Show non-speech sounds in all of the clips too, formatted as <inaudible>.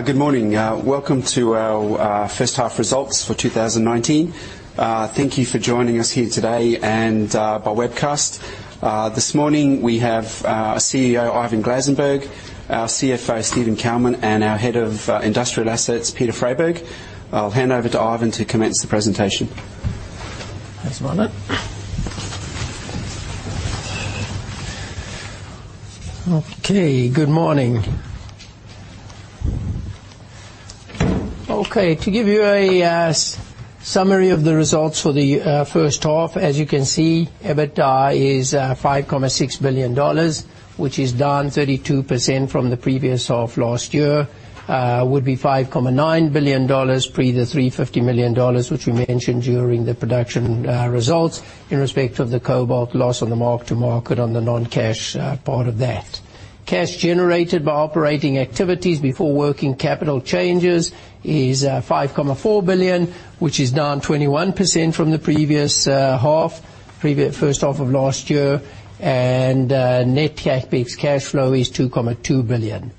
Good morning. Welcome to our first half results for 2019. Thank you for joining us here today and by webcast. This morning, we have our CEO, Ivan Glasenberg, our CFO, Steven Kalmin, and our Head of Industrial Assets, Peter Freyberg. I'll hand over to Ivan to commence the presentation. Thanks, Martin. Good morning. To give you a summary of the results for the first half, as you can see, EBITDA is $5.6 billion, which is down 32% from the previous half last year. Would be $5.9 billion, pre the $350 million, which we mentioned during the production results in respect of the cobalt loss on the mark-to-market on the non-cash part of that. Cash generated by operating activities before working capital changes is $5.4 billion, which is down 21% from the previous half, previous first half of last year, and net CapEx cash flow is $2.2 billion.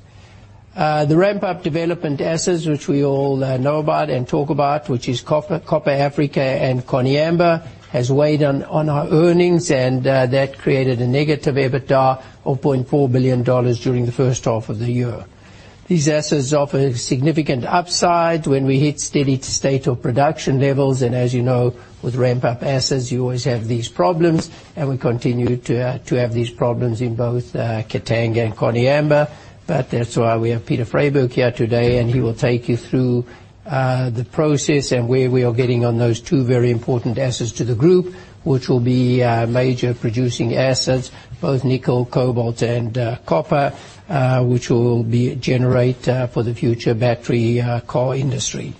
The ramp-up development assets, which we all know about and talk about, which is Katanga, Copper Africa, and Koniambo, has weighed on our earnings, and that created a negative EBITDA of $0.4 billion during the first half of the year. These assets offer significant upside when we hit steady state of production levels, and as you know, with ramp-up assets, you always have these problems, and we continue to have these problems in both Katanga and Koniambo. That's why we have Peter Freyberg here today, and he will take you through the process and where we are getting on those two very important assets to the group, which will be major producing assets, both nickel, cobalt, and copper, which will generate for the future battery car industry.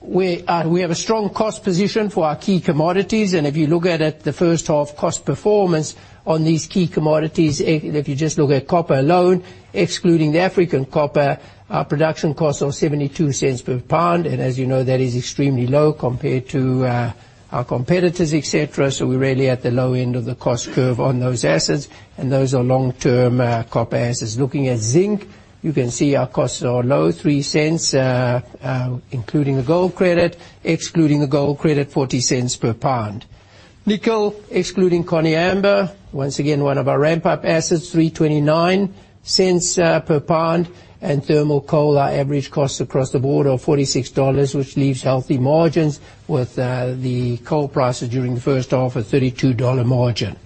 We have a strong cost position for our key commodities, and if you look at it, the first half cost performance on these key commodities, if you just look at copper alone, excluding the African copper, our production cost of $0.72 per pound. As you know, that is extremely low compared to our competitors, et cetera. We're really at the low end of the cost curve on those assets, and those are long-term copper assets. Looking at zinc, you can see our costs are low, $0.03, including a gold credit. Excluding a gold credit, $0.40 per pound. Nickel, excluding Koniambo, once again, one of our ramp-up assets, $0.29 per pound, and thermal coal, our average cost across the board of $46, which leaves healthy margins with the coal prices during the first half of $32 margin.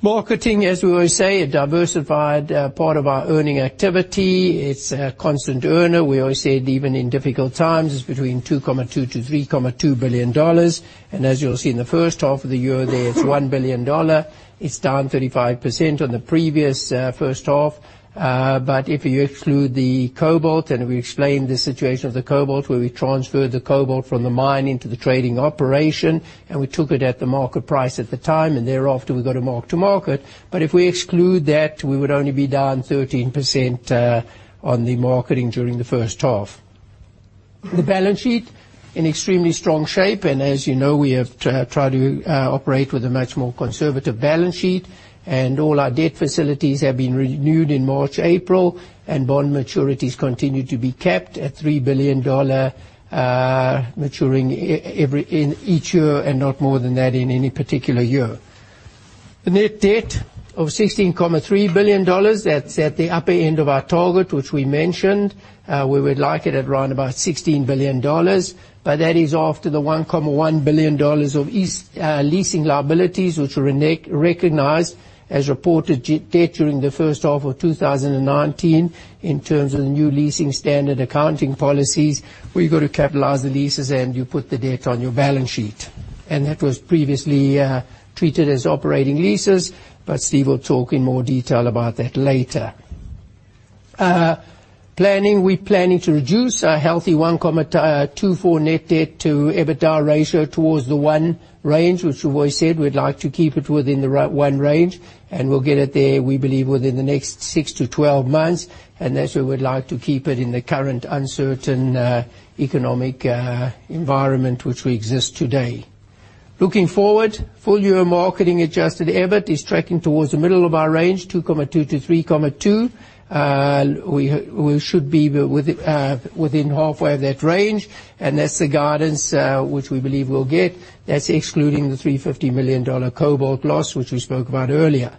Marketing, as we always say, a diversified part of our earning activity. It's a constant earner. We always said even in difficult times, it's between $2.2 billion-$3.2 billion. As you'll see in the first half of the year there, it's $1 billion. It's down 35% on the previous first half. If you exclude the cobalt, and we explained the situation of the cobalt, where we transferred the cobalt from the mine into the trading operation, and we took it at the market price at the time, and thereafter, we got a mark-to-market. If we exclude that, we would only be down 13% on the marketing during the first half. The balance sheet, in extremely strong shape, and as you know, we have tried to operate with a much more conservative balance sheet, and all our debt facilities have been renewed in March, April, and bond maturities continue to be capped at $3 billion maturing every in each year and not more than that in any particular year. The net debt of $16.3 billion, that's at the upper end of our target, which we mentioned. We would like it at around about $16 billion, but that is after the $1.1 billion of leasing liabilities, which were recognized as reported debt during the first half of 2019 in terms of the new leasing standard accounting policies, where you got to capitalize the leases and you put the debt on your balance sheet. That was previously treated as operating leases, but Steve will talk in more detail about that later. Planning. We're planning to reduce a healthy 1.24 net debt to EBITDA ratio towards the one range, which we've always said we'd like to keep it within the one range, and we'll get it there, we believe, within the next six months-12 months, and that's where we'd like to keep it in the current uncertain economic environment which we exist today. Looking forward, full-year marketing adjusted EBIT is tracking towards the middle of our range, $2.2 billion-$3.2 billion. We should be within halfway of that range. That's the guidance which we believe we'll get. That's excluding the $350 million cobalt loss, which we spoke about earlier.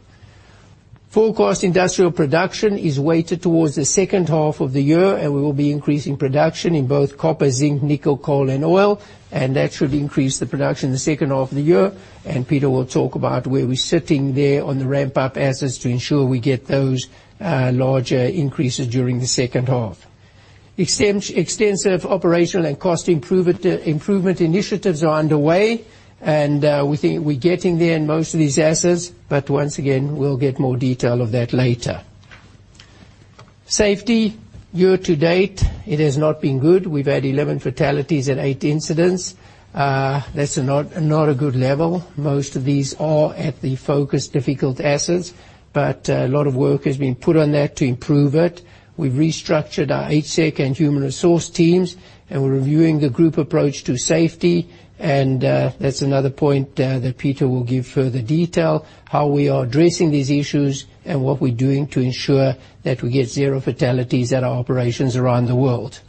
Full cost industrial production is weighted towards the second half of the year, and we will be increasing production in both copper, zinc, nickel, coal, and oil, and that should increase the production in the second half of the year. Peter will talk about where we're sitting there on the ramp-up assets to ensure we get those larger increases during the second half. Extensive operational and cost improvement initiatives are underway. We think we're getting there in most of these assets. Once again, we'll get more detail of that later. Safety. Year-to-date, it has not been good. We've had 11 fatalities and eight incidents. That's not a good level. Most of these are at the focus difficult assets, but a lot of work has been put on that to improve it. We've restructured our HSEC and human resource teams, and we're reviewing the group approach to safety. That's another point that Peter will give further detail, how we are addressing these issues, and what we're doing to ensure that we get zero fatalities at our operations around the world.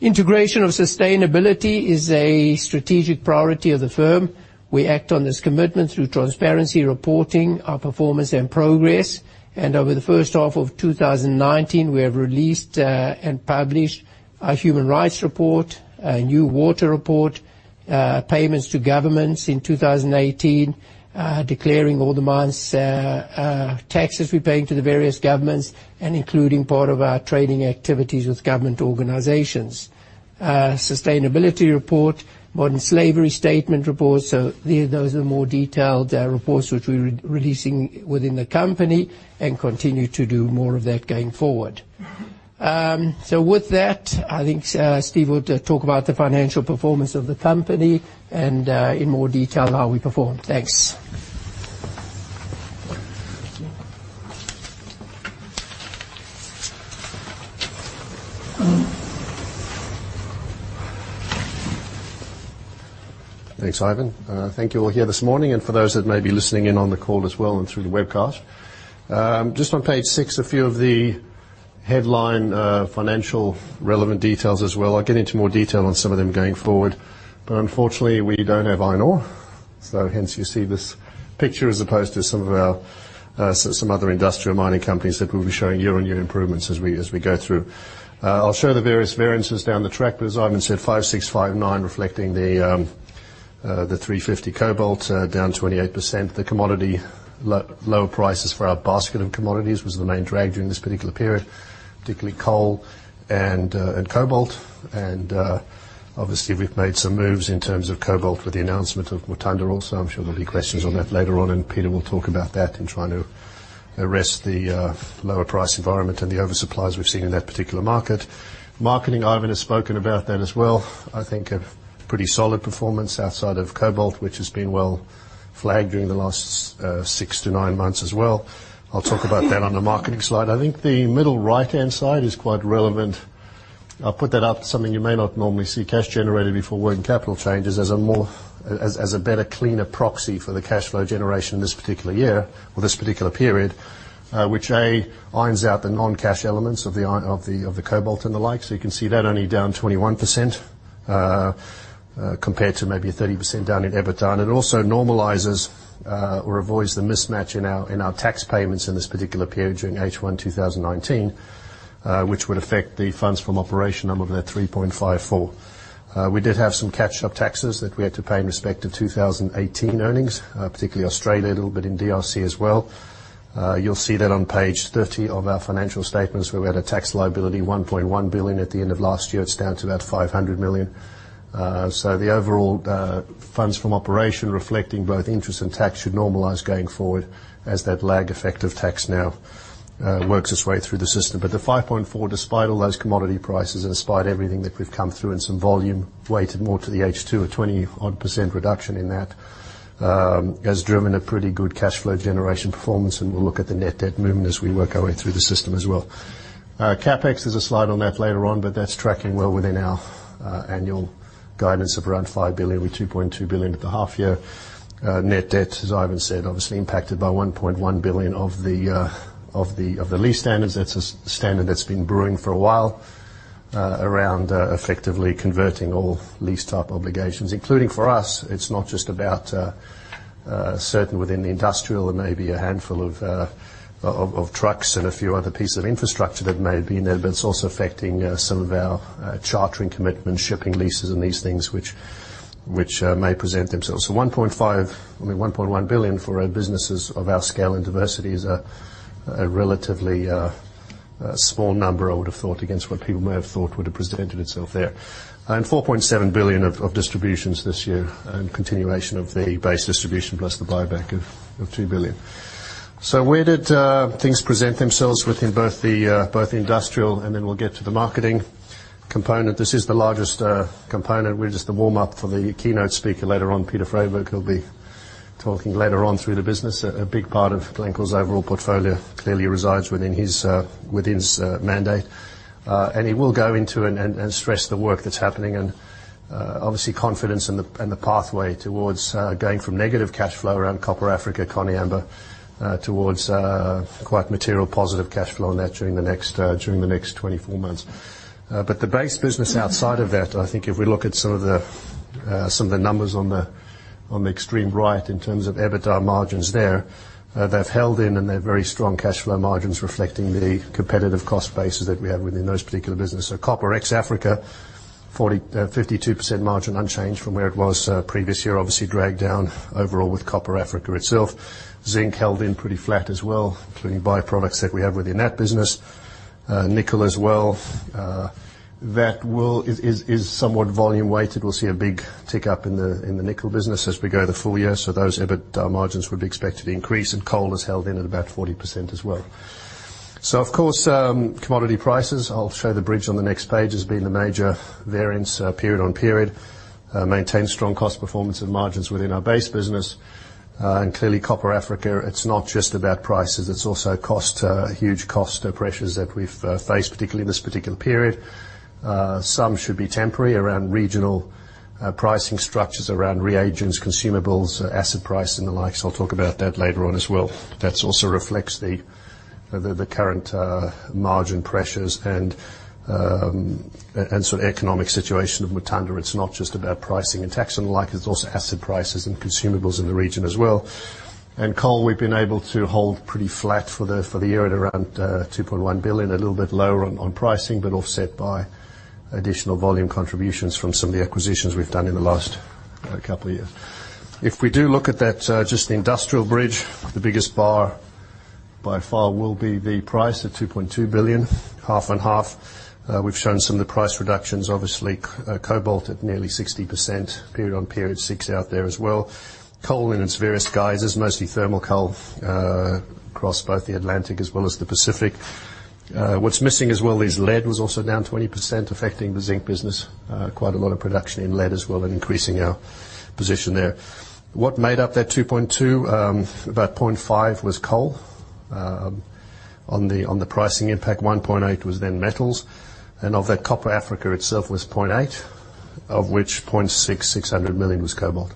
Integration of sustainability is a strategic priority of the firm. We act on this commitment through transparency, reporting our performance and progress. Over the first half of 2019, we have released and published our human rights report, a new water report, payments to governments in 2018, declaring all the amounts, taxes we're paying to the various governments, and including part of our trading activities with government organizations. Our sustainability report, modern slavery statement report, those are more detailed reports which we're releasing within the company, and continue to do more of that going forward. With that, I think Steve will talk about the financial performance of the company and in more detail how we performed. Thanks. Thanks, Ivan. Thank you all here this morning, and for those that may be listening in on the call as well and through the webcast. Just on page six, a few of the headline financial relevant details as well. I'll get into more detail on some of them going forward. Unfortunately, we don't have iron ore, so hence you see this picture as opposed to some other industrial mining companies that will be showing year-on-year improvements as we go through. I'll show the various variances down the track. As Ivan said, 5,659 reflecting the 350 cobalt down 28%. The commodity low prices for our basket of commodities was the main drag during this particular period, particularly coal and cobalt. Obviously, we've made some moves in terms of cobalt with the announcement of Mutanda also. I'm sure there'll be questions on that later on. Peter will talk about that in trying to arrest the lower price environment and the oversupplies we've seen in that particular market. Marketing, Ivan has spoken about that as well. I think a pretty solid performance outside of cobalt, which has been well flagged during the last six to nine months as well. I'll talk about that on the marketing slide. I think the middle right-hand side is quite relevant. I'll put that up. Something you may not normally see, cash generated before working capital changes as a better, cleaner proxy for the cash flow generation in this particular year or this particular period, which, A, irons out the non-cash elements of the cobalt and the like. You can see that only down 21% compared to maybe 30% down in EBITDA. It also normalizes or avoids the mismatch in our tax payments in this particular period during H1 2019, which would affect the funds from operation number of that 3.54. We did have some catch-up taxes that we had to pay in respect of 2018 earnings, particularly Australia, a little bit in DRC as well. You'll see that on page 30 of our financial statements where we had a tax liability, $1.1 billion at the end of last year. It's down to about $500 million. The overall funds from operation reflecting both interest and tax should normalize going forward as that lag effect of tax now works its way through the system. The 5.4, despite all those commodity prices and despite everything that we've come through and some volume weighted more to the H2, a 20-odd percent reduction in that, has driven a pretty good cash flow generation performance. We'll look at the net debt movement as we work our way through the system as well. CapEx, there's a slide on that later on, but that's tracking well within our annual guidance of around $5 billion, with $2.2 billion at the half-year. Net debt, as Ivan said, obviously impacted by $1.1 billion of the lease standards. That's a standard that's been brewing for a while around effectively converting all lease-type obligations, including for us. It's not just about certain within the industrial, there may be a handful of trucks and a few other pieces of infrastructure that may be in there, but it's also affecting some of our chartering commitments, shipping leases, and these things which may present themselves. $1.1 billion for our businesses of our scale and diversity is a relatively small number I would have thought against what people may have thought would have presented itself there. $4.7 billion of distributions this year and continuation of the base distribution plus the buyback of $2 billion. Where did things present themselves within both the industrial and then we'll get to the marketing component? This is the largest component. We're just the warm-up for the keynote speaker later on, Peter Freyberg, who'll be talking later on through the business. A big part of Glencore's overall portfolio clearly resides within his mandate. He will go into and stress the work that's happening and obviously confidence in the pathway towards going from negative cash flow around Copper Africa, Koniambo, towards quite material positive cash flow on that during the next 24 months. The base business outside of that, I think if we look at some of the numbers on the extreme right in terms of EBITDA margins there, they've held in and they're very strong cash flow margins reflecting the competitive cost bases that we have within those particular businesses. Copper ex-Africa, 52% margin unchanged from where it was previous year, obviously dragged down overall with Copper Africa itself. Zinc held in pretty flat as well, including byproducts that we have within that business. Nickel as well, that is somewhat volume weighted. We'll see a big tick up in the nickel business as we go the full year, so those EBITDA margins would be expected to increase, and coal has held in at about 40% as well. Of course, commodity prices, I'll show the bridge on the next page, has been the major variance period on period. Maintained strong cost performance and margins within our base business. Clearly Copper Africa, it's not just about prices, it's also huge cost pressures that we've faced, particularly in this particular period. Some should be temporary around regional pricing structures, around reagents, consumables, acid price and the like. I'll talk about that later on as well. That also reflects the current margin pressures and sort of economic situation of Mutanda. It's not just about pricing and tax and the like, it's also acid prices and consumables in the region as well. Coal, we've been able to hold pretty flat for the year at around $2.1 billion, a little bit lower on pricing, but offset by additional volume contributions from some of the acquisitions we've done in the last couple of years. If we do look at that, just the industrial bridge, the biggest bar by far will be the price at $2.2 billion, half-and-half. We've shown some of the price reductions, obviously cobalt at nearly 60% period on period, zinc's out there as well. Coal in its various guises, mostly thermal coal, across both the Atlantic as well as the Pacific. What's missing as well is lead was also down 20%, affecting the zinc business. Quite a lot of production in lead as well and increasing our position there. What made up that 2.2? About 0.5 was coal. On the pricing impact, 1.8 was then metals. Of that Copper Africa itself was 0.8., of which 0.6, $600 million was cobalt.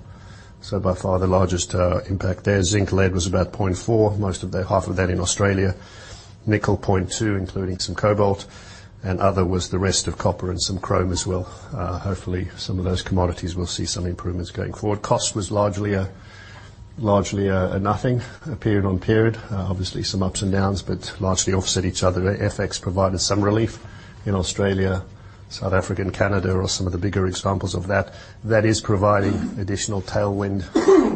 By far the largest impact there. Zinc lead was about 0.4, half of that in Australia. nickel 0.2, including some cobalt. Other was the rest of copper and some chrome as well. Hopefully some of those commodities will see some improvements going forward. Cost was largely a nothing period on period. Obviously some ups and downs, but largely offset each other. FX provided some relief in Australia. South Africa and Canada are some of the bigger examples of that. That is providing additional tailwind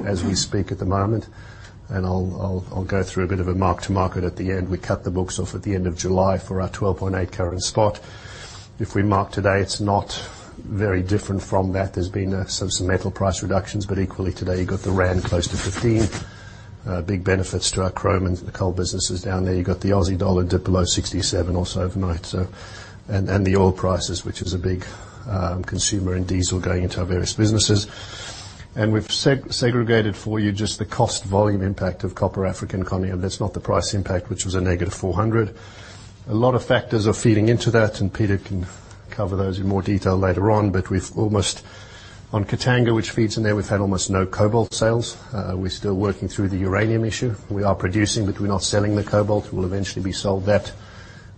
as we speak at the moment, and I'll go through a bit of a mark-to-market at the end. We cut the books off at the end of July for our 12.8 current spot. If we mark today, it's not very different from that. There's been some metal price reductions, but equally today you've got the Rand close to 15. Big benefits to our chrome and the coal businesses down there. You got the Aussie dollar dip below 67 or so overnight. The oil prices, which is a big consumer in diesel going into our various businesses. We've segregated for you just the cost volume impact of Copper Africa and [Koniambo]. That's not the price impact, which was a -$400. A lot of factors are feeding into that, and Peter can cover those in more detail later on. On Katanga, which feeds in there, we've had almost no cobalt sales. We're still working through the uranium issue. We are producing, but we're not selling the cobalt. It will eventually be sold. That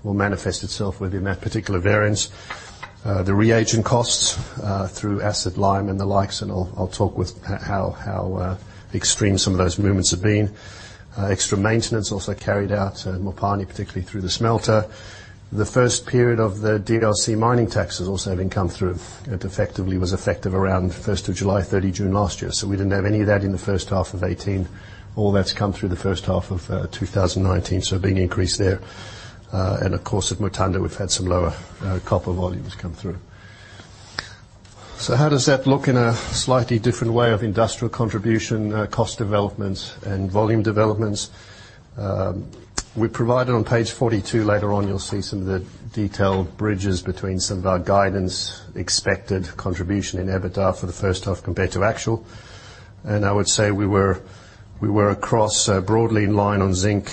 will manifest itself within that particular variance. The reagent costs, through acid lime and the likes, and I'll talk with how extreme some of those movements have been. Extra maintenance also carried out at Mopani, particularly through the smelter. The first period of the DRC mining tax has also come through. It effectively was effective around the 1st of July, 30 June last year. We didn't have any of that in the first half of 2018. All that's come through the first half of 2019, so a big increase there. Of course, at Mutanda, we've had some lower copper volumes come through. How does that look in a slightly different way of industrial contribution, cost developments, and volume developments? We provide it on page 42. Later on, you'll see some of the detailed bridges between some of our guidance expected contribution in EBITDA for the first half compared to actual. I would say we were across broadly in line on zinc.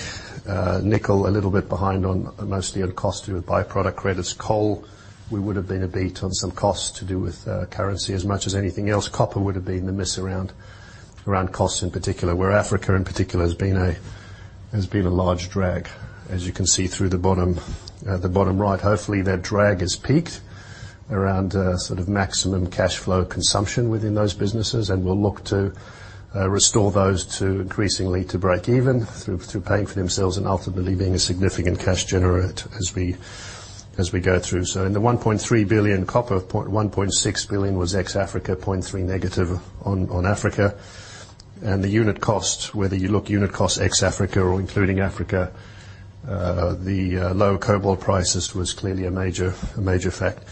Nickel a little bit behind on mostly on cost to do with by-product credits. Coal, we would've been a beat on some costs to do with currency as much as anything else. Copper would've been the miss around costs in particular, where Africa in particular has been a large drag, as you can see through the bottom right. Hopefully that drag has peaked around sort of maximum cash flow consumption within those businesses and we'll look to restore those to increasingly to break even through paying for themselves and ultimately being a significant cash generate as we go through. In the $1.3 billion copper point, $1.6 billion was ex-Africa, 0.3 negative on Africa. The unit cost, whether you look unit cost ex Africa or including Africa, the low cobalt prices was clearly a major fact.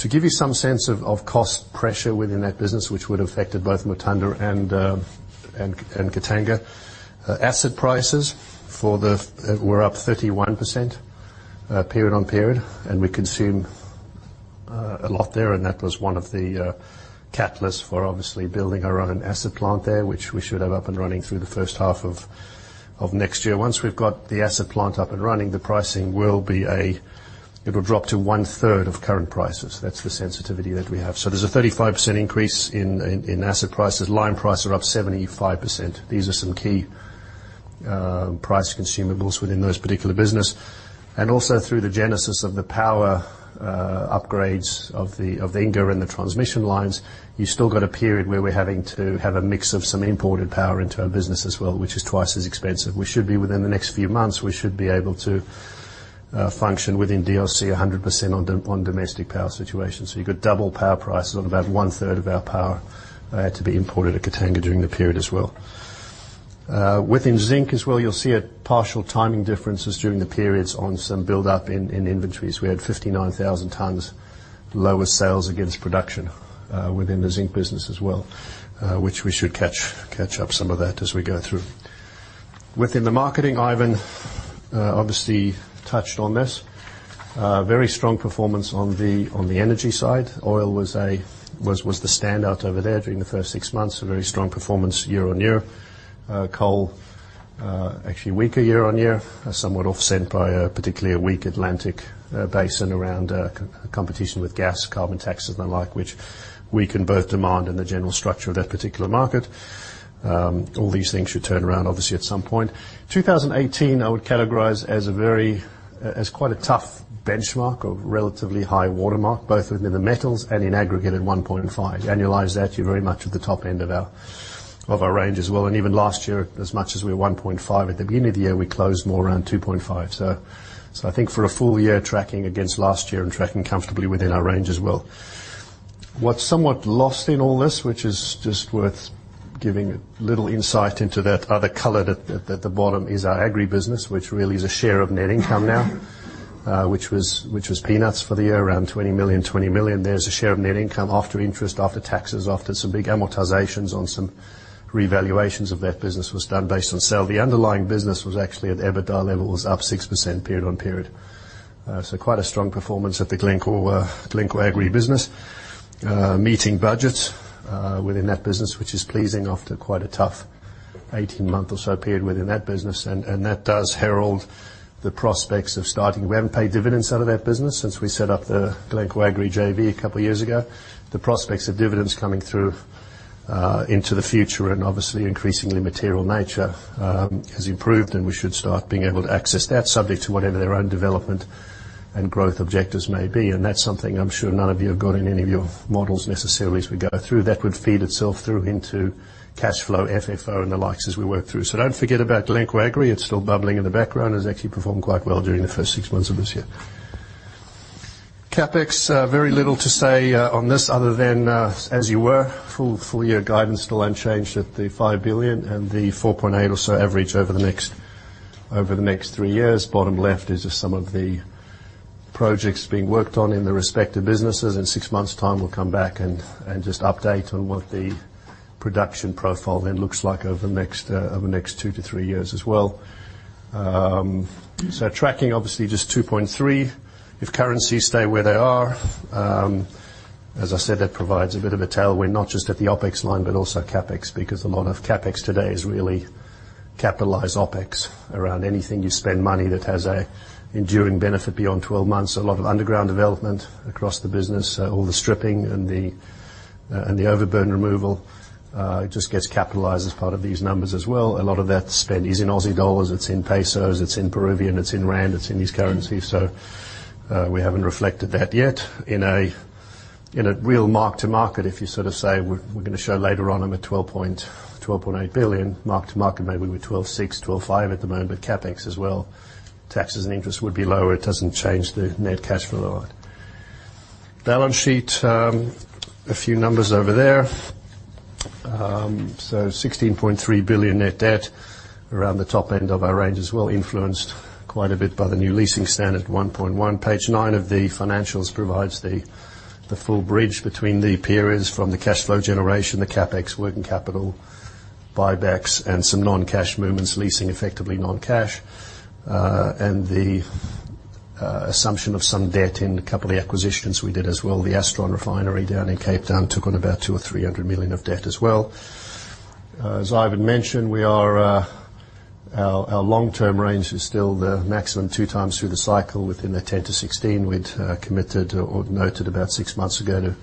To give you some sense of cost pressure within that business, which would've affected both Mutanda and Katanga. Acid prices were up 31% period on period, and we consumed a lot there and that was one of the catalysts for obviously building our own acid plant there, which we should have up and running through the first half of next year. Once we've got the acid plant up and running, the pricing will drop to 1/3 of current prices. That's the sensitivity that we have. There's a 35% increase in acid prices. Lime prices are up 75%. These are some key price consumables within those particular business. Also through the genesis of the power upgrades of the Inga and the transmission lines, you still got a period where we're having to have a mix of some imported power into our business as well, which is twice as expensive. Within the next few months, we should be able to function within DRC 100% on domestic power situation. You've got double power prices on about 1/3 of our power had to be imported at Katanga during the period as well. Within zinc as well, you'll see partial timing differences during the periods on some buildup in inventories. We had 59,000 tonnes lower sales against production within the zinc business as well, which we should catch up some of that as we go through. Within the marketing, Ivan obviously touched on this. Very strong performance on the energy side. Oil was the standout over there during the first six months, a very strong performance year-on-year. Coal, actually weaker year-on-year, somewhat offset by a particularly weak Atlantic basin around competition with gas, carbon taxes and the like, which weakened both demand and the general structure of that particular market. All these things should turn around, obviously, at some point. 2018, I would categorize as quite a tough benchmark or relatively high watermark, both within the metals and in aggregate at 1.5. Annualize that, you're very much at the top end of our range as well. Even last year, as much as we were 1.5 at the beginning of the year, we closed more around 2.5. I think for a full year tracking against last year and tracking comfortably within our range as well. What's somewhat lost in all this, which is just worth giving a little insight into that other color at the bottom, is our Agri business, which really is a share of net income now. Which was peanuts for the year, around $20 million. There's a share of net income after interest, after taxes, after some big amortizations on some revaluations of that business was done based on sale. The underlying business was actually at EBITDA levels, up 6% period on period. Quite a strong performance at the Glencore Agri business. Meeting budgets within that business, which is pleasing after quite a tough 18-month or so period within that business. That does herald the prospects of starting. We haven't paid dividends out of that business since we set up the Glencore Agri JV a couple of years ago. The prospects of dividends coming through into the future and obviously increasingly material nature has improved and we should start being able to access that subject to whatever their own development and growth objectives may be. That's something I'm sure none of you have got in any of your models necessarily as we go through. That would feed itself through into cash flow, FFO and the likes as we work through. Don't forget about Glencore Agri. It's still bubbling in the background. It has actually performed quite well during the first six months of this year. CapEx, very little to say on this other than as you were. Full year guidance still unchanged at the $5 billion and the $4.8 billion or so average over the next three years. Bottom left is just some of the projects being worked on in the respective businesses. In six months' time, we'll come back and just update on what the production profile then looks like over the next two to three years as well. Tracking, obviously, just 2.3. If currencies stay where they are, as I said, that provides a bit of a tailwind, not just at the OpEx line, but also CapEx, because a lot of CapEx today is really capitalized OpEx around anything you spend money that has an enduring benefit beyond 12 months. A lot of underground development across the business, all the stripping and the overburn removal just gets capitalized as part of these numbers as well. A lot of that spend is in Aussie dollars, it's in pesos, it's in Peruvian, it's in Rand, it's in these currencies. We haven't reflected that yet. In a real mark-to-market, if you sort of say we're going to show later on them at $12.8 billion, mark-to-market, maybe we're $12.6 billion, $12.5 billion at the moment, but CapEx as well. Taxes and interest would be lower. It doesn't change the net cash flow a lot. Balance sheet, a few numbers over there. $16.3 billion net debt around the top end of our range as well, influenced quite a bit by the new leasing standard 1.1. Page nine of the financials provides the full bridge between the periods from the cash flow generation, the CapEx, working capital, buybacks and some non-cash movements, leasing effectively non-cash. The assumption of some debt in a couple of the acquisitions we did as well. The Astron Energy Refinery down in Cape Town took on about $200 million or $300 million of debt as well. As Ivan mentioned, our long-term range is still the maximum 2x through the cycle within the 10-16. We'd committed or noted about six months ago to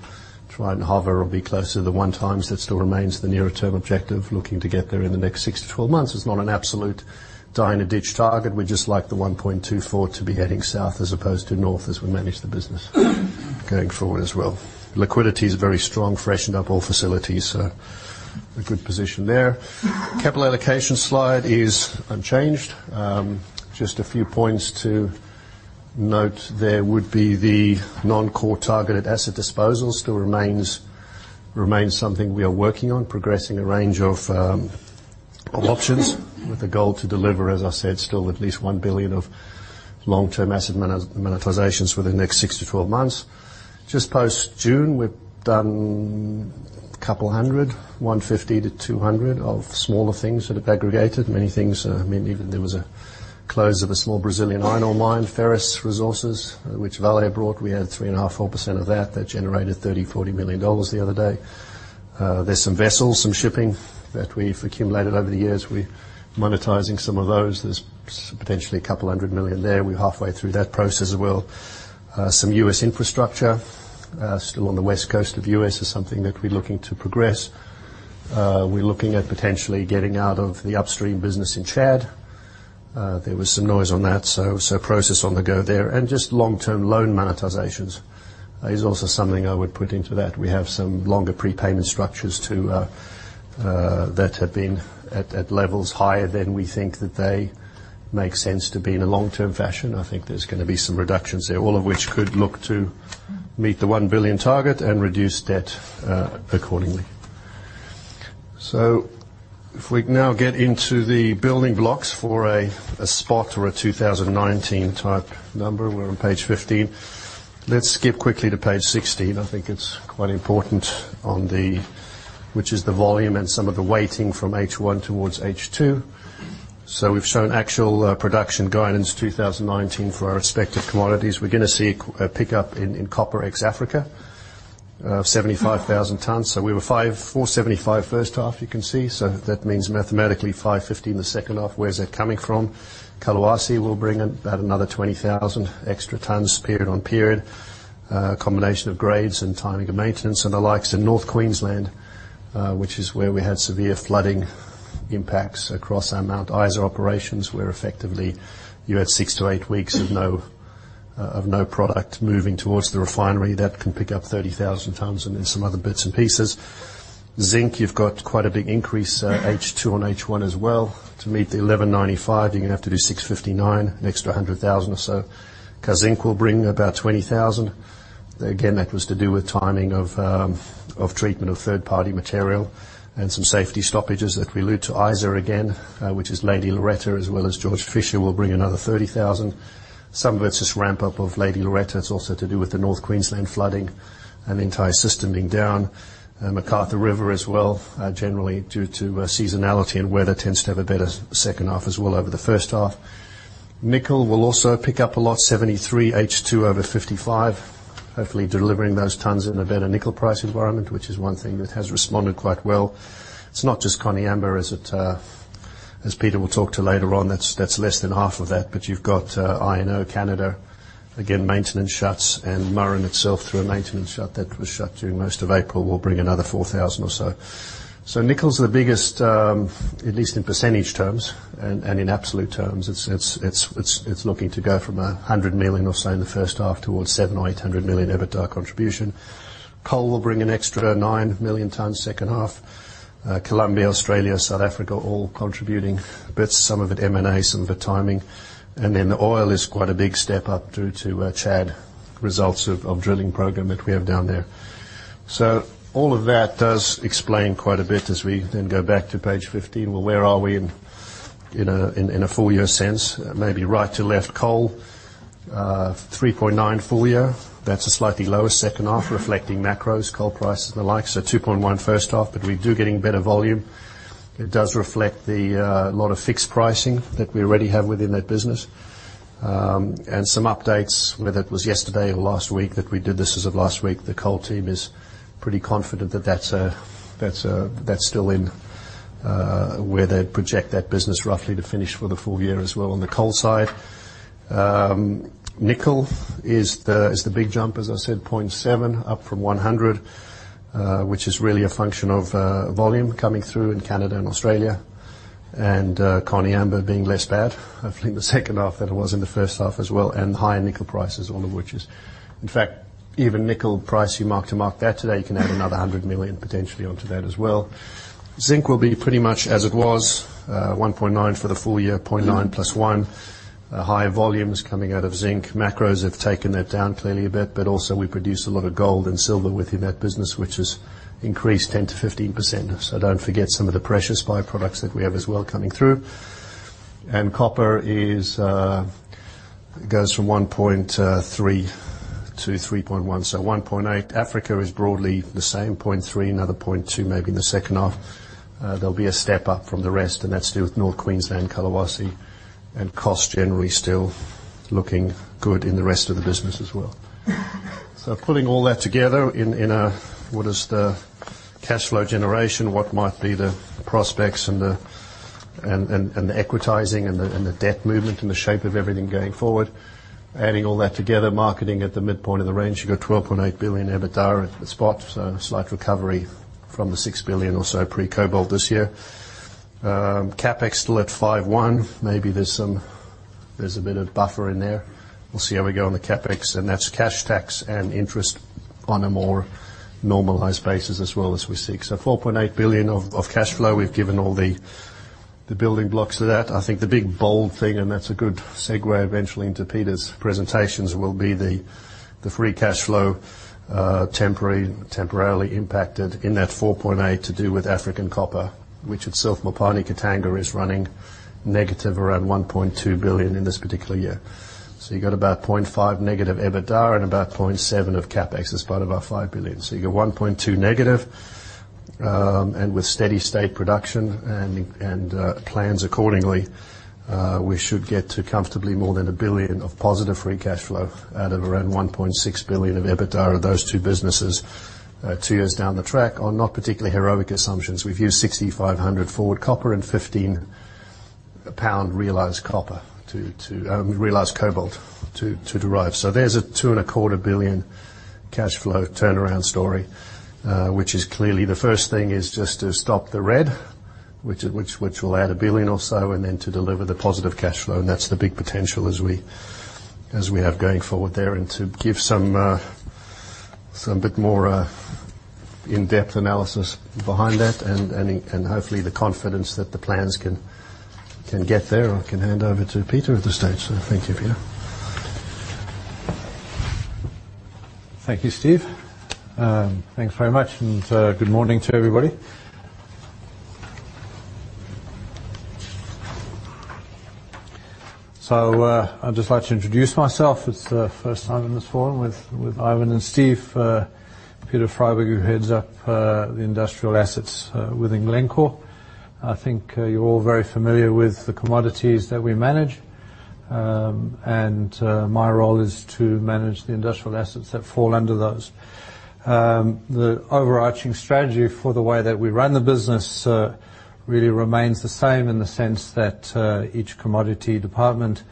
try and hover or be closer to 1x. That still remains the nearer-term objective, looking to get there in the next six months-12 months. It's not an absolute die-in-a-ditch target. We'd just like the 1.24 to be heading south as opposed to north as we manage the business going forward as well. Liquidity is very strong, freshened up all facilities, so a good position there. Capital allocation slide is unchanged. Just a few points to note there would be the non-core targeted asset disposal still remains something we are working on, progressing a range of options with a goal to deliver, as I said, still at least $1 billion of long-term asset monetizations within the next six months-12 months. Just post-June, we've done a couple hundred, 150-200 of smaller things that have aggregated. Many things, there was a close of a small Brazilian iron ore mine, Ferrous Resources, which Vale brought. We had 3.5%, 4% of that. That generated $30 million, $40 million the other day. There's some vessels, some shipping that we've accumulated over the years. We're monetizing some of those. There's potentially a couple hundred million there. We're halfway through that process as well. Some U.S. infrastructure still on the West Coast of U.S. is something that we're looking to progress. We're looking at potentially getting out of the upstream business in Chad. There was some noise on that. Process on the go there. Just long-term loan monetizations is also something I would put into that. We have some longer prepayment structures that have been at levels higher than we think that they make sense to be in a long-term fashion. I think there's going to be some reductions there, all of which could look to meet the $1 billion target and reduce debt accordingly. If we now get into the building blocks for a spot or a 2019 type number, we're on page 15. Let's skip quickly to page 16. I think it's quite important, which is the volume and some of the weighting from H1 towards H2. We've shown actual production guidance 2019 for our respective commodities. We're going to see a pickup in copper ex-Africa of 75,000 tonnes. We were 475 tonnes first half you can see. That means mathematically 550 tonnes in the second half. Where's that coming from? Kolwezi will bring about another 20,000 extra tonnes period on period. A combination of grades and timing of maintenance and the likes in North Queensland, which is where we had severe flooding impacts across our Mount Isa operations, where effectively you had six to eight weeks of no product moving towards the refinery. That can pick up 30,000 tonnes and then some other bits and pieces. Zinc, you've got quite a big increase H2 on H1 as well. To meet the 1,195, you're going to have to do 659. An extra 100,000 tonnes or so. Kazzinc will bring about 20,000 tonnes. Again, that was to do with timing of treatment of third-party material and some safety stoppages that we allude to Isa again, which is Lady Loretta as well as George Fisher will bring another 30,000 tonnes. Some of it's just ramp up of Lady Loretta. It's also to do with the North Queensland flooding and the entire system being down. McArthur River as well, generally due to seasonality and weather tends to have a better second half as well over the first half. Nickel will also pick up a lot, 73 H2 over 55. Hopefully delivering those tonnes in a better nickel price environment, which is one thing that has responded quite well. It's not just Koniambo as Peter will talk to later on. That's less than half of that. You've got INO Canada, again, maintenance shuts and Murrin itself through a maintenance shut that was shut during most of April, will bring another 4,000 tonnes or so. Nickel's the biggest, at least in percentage terms and in absolute terms, it's looking to go from $100 million or so in the first half towards $700 million or $800 million EBITDA contribution. Coal will bring an extra 9 million tonnes second half. Colombia, Australia, South Africa all contributing bits, some of it M&A, some of it timing. Oil is quite a big step up due to Chad results of drilling program that we have down there. All of that does explain quite a bit as we go back to page 15. Where are we in a full-year sense? Maybe right to left coal, 3.9 full-year. That's a slightly lower second half reflecting macros coal prices the like 2.1 first half, we do getting better volume. It does reflect the lot of fixed pricing that we already have within that business. Some updates, whether it was yesterday or last week that we did this as of last week. The coal team is pretty confident that's still in where they project that business roughly to finish for the full year as well on the coal side. Nickel is the big jump, as I said, 0.7 up from $100 million, which is really a function of volume coming through in Canada and Australia and Koniambo being less bad hopefully in the second half than it was in the first half as well, and higher nickel prices, all of which is, in fact, even nickel price, you mark to mark that today, you can add another $100 million potentially onto that as well. Zinc will be pretty much as it was, 1.9 for the full year, 0.9 plus 1. Higher volumes coming out of zinc. Macros have taken that down clearly a bit, but also we produce a lot of gold and silver within that business, which has increased 10%-15%. Don't forget some of the precious byproducts that we have as well coming through. Copper goes from 1.3-3.1, so 1.8. Africa is broadly the same, 0.3, another 0.2 maybe in the second half. There'll be a step up from the rest, and that's to do with North Queensland, Kolwezi, and cost generally still looking good in the rest of the business as well. Putting all that together in a what is the cash flow generation, what might be the prospects and the equitizing and the debt movement and the shape of everything going forward. Adding all that together, marketing at the midpoint of the range, you've got $12.8 billion EBITDA at the spot. A slight recovery from the $6 billion or so pre-cobalt this year. CapEx still at $5.1 billion. Maybe there's a bit of buffer in there. We'll see how we go on the CapEx. That's cash tax and interest on a more normalized basis as well as we seek. $4.8 billion of cash flow. We've given all the building blocks to that. I think the big bold thing, that's a good segue eventually into Peter's presentations, will be the free cash flow temporarily impacted in that 4.8 to do with African Copper, which itself, Mopani, Katanga, is running negative around $1.2 billion in this particular year. You got about 0.5 negative EBITDA and about 0.7 of CapEx as part of our $5 billion. You got 1.2 negative. With steady state production and plans accordingly, we should get to comfortably more than $1 billion of positive free cash flow out of around $1.6 billion of EBITDA of those two businesses two years down the track on not particularly heroic assumptions. We've used 6,500 forward copper and 15 realized cobalt to derive. There's a $2.25 billion cash flow turnaround story. Clearly the first thing is just to stop the red, which will add $1 billion or so, then to deliver the positive cash flow. That's the big potential as we have going forward there. To give some bit more in-depth analysis behind that and hopefully the confidence that the plans can get there, I can hand over to Peter at this stage. Thank you, Peter. Thank you, Steve. Thanks very much. Good morning to everybody. I'd just like to introduce myself. It's the first time in this forum with Ivan and Steve. Peter Freyberg, who heads up the industrial assets within Glencore. I think you're all very familiar with the commodities that we manage. My role is to manage the industrial assets that fall under those. The overarching strategy for the way that we run the business really remains the same in the sense that each commodity department,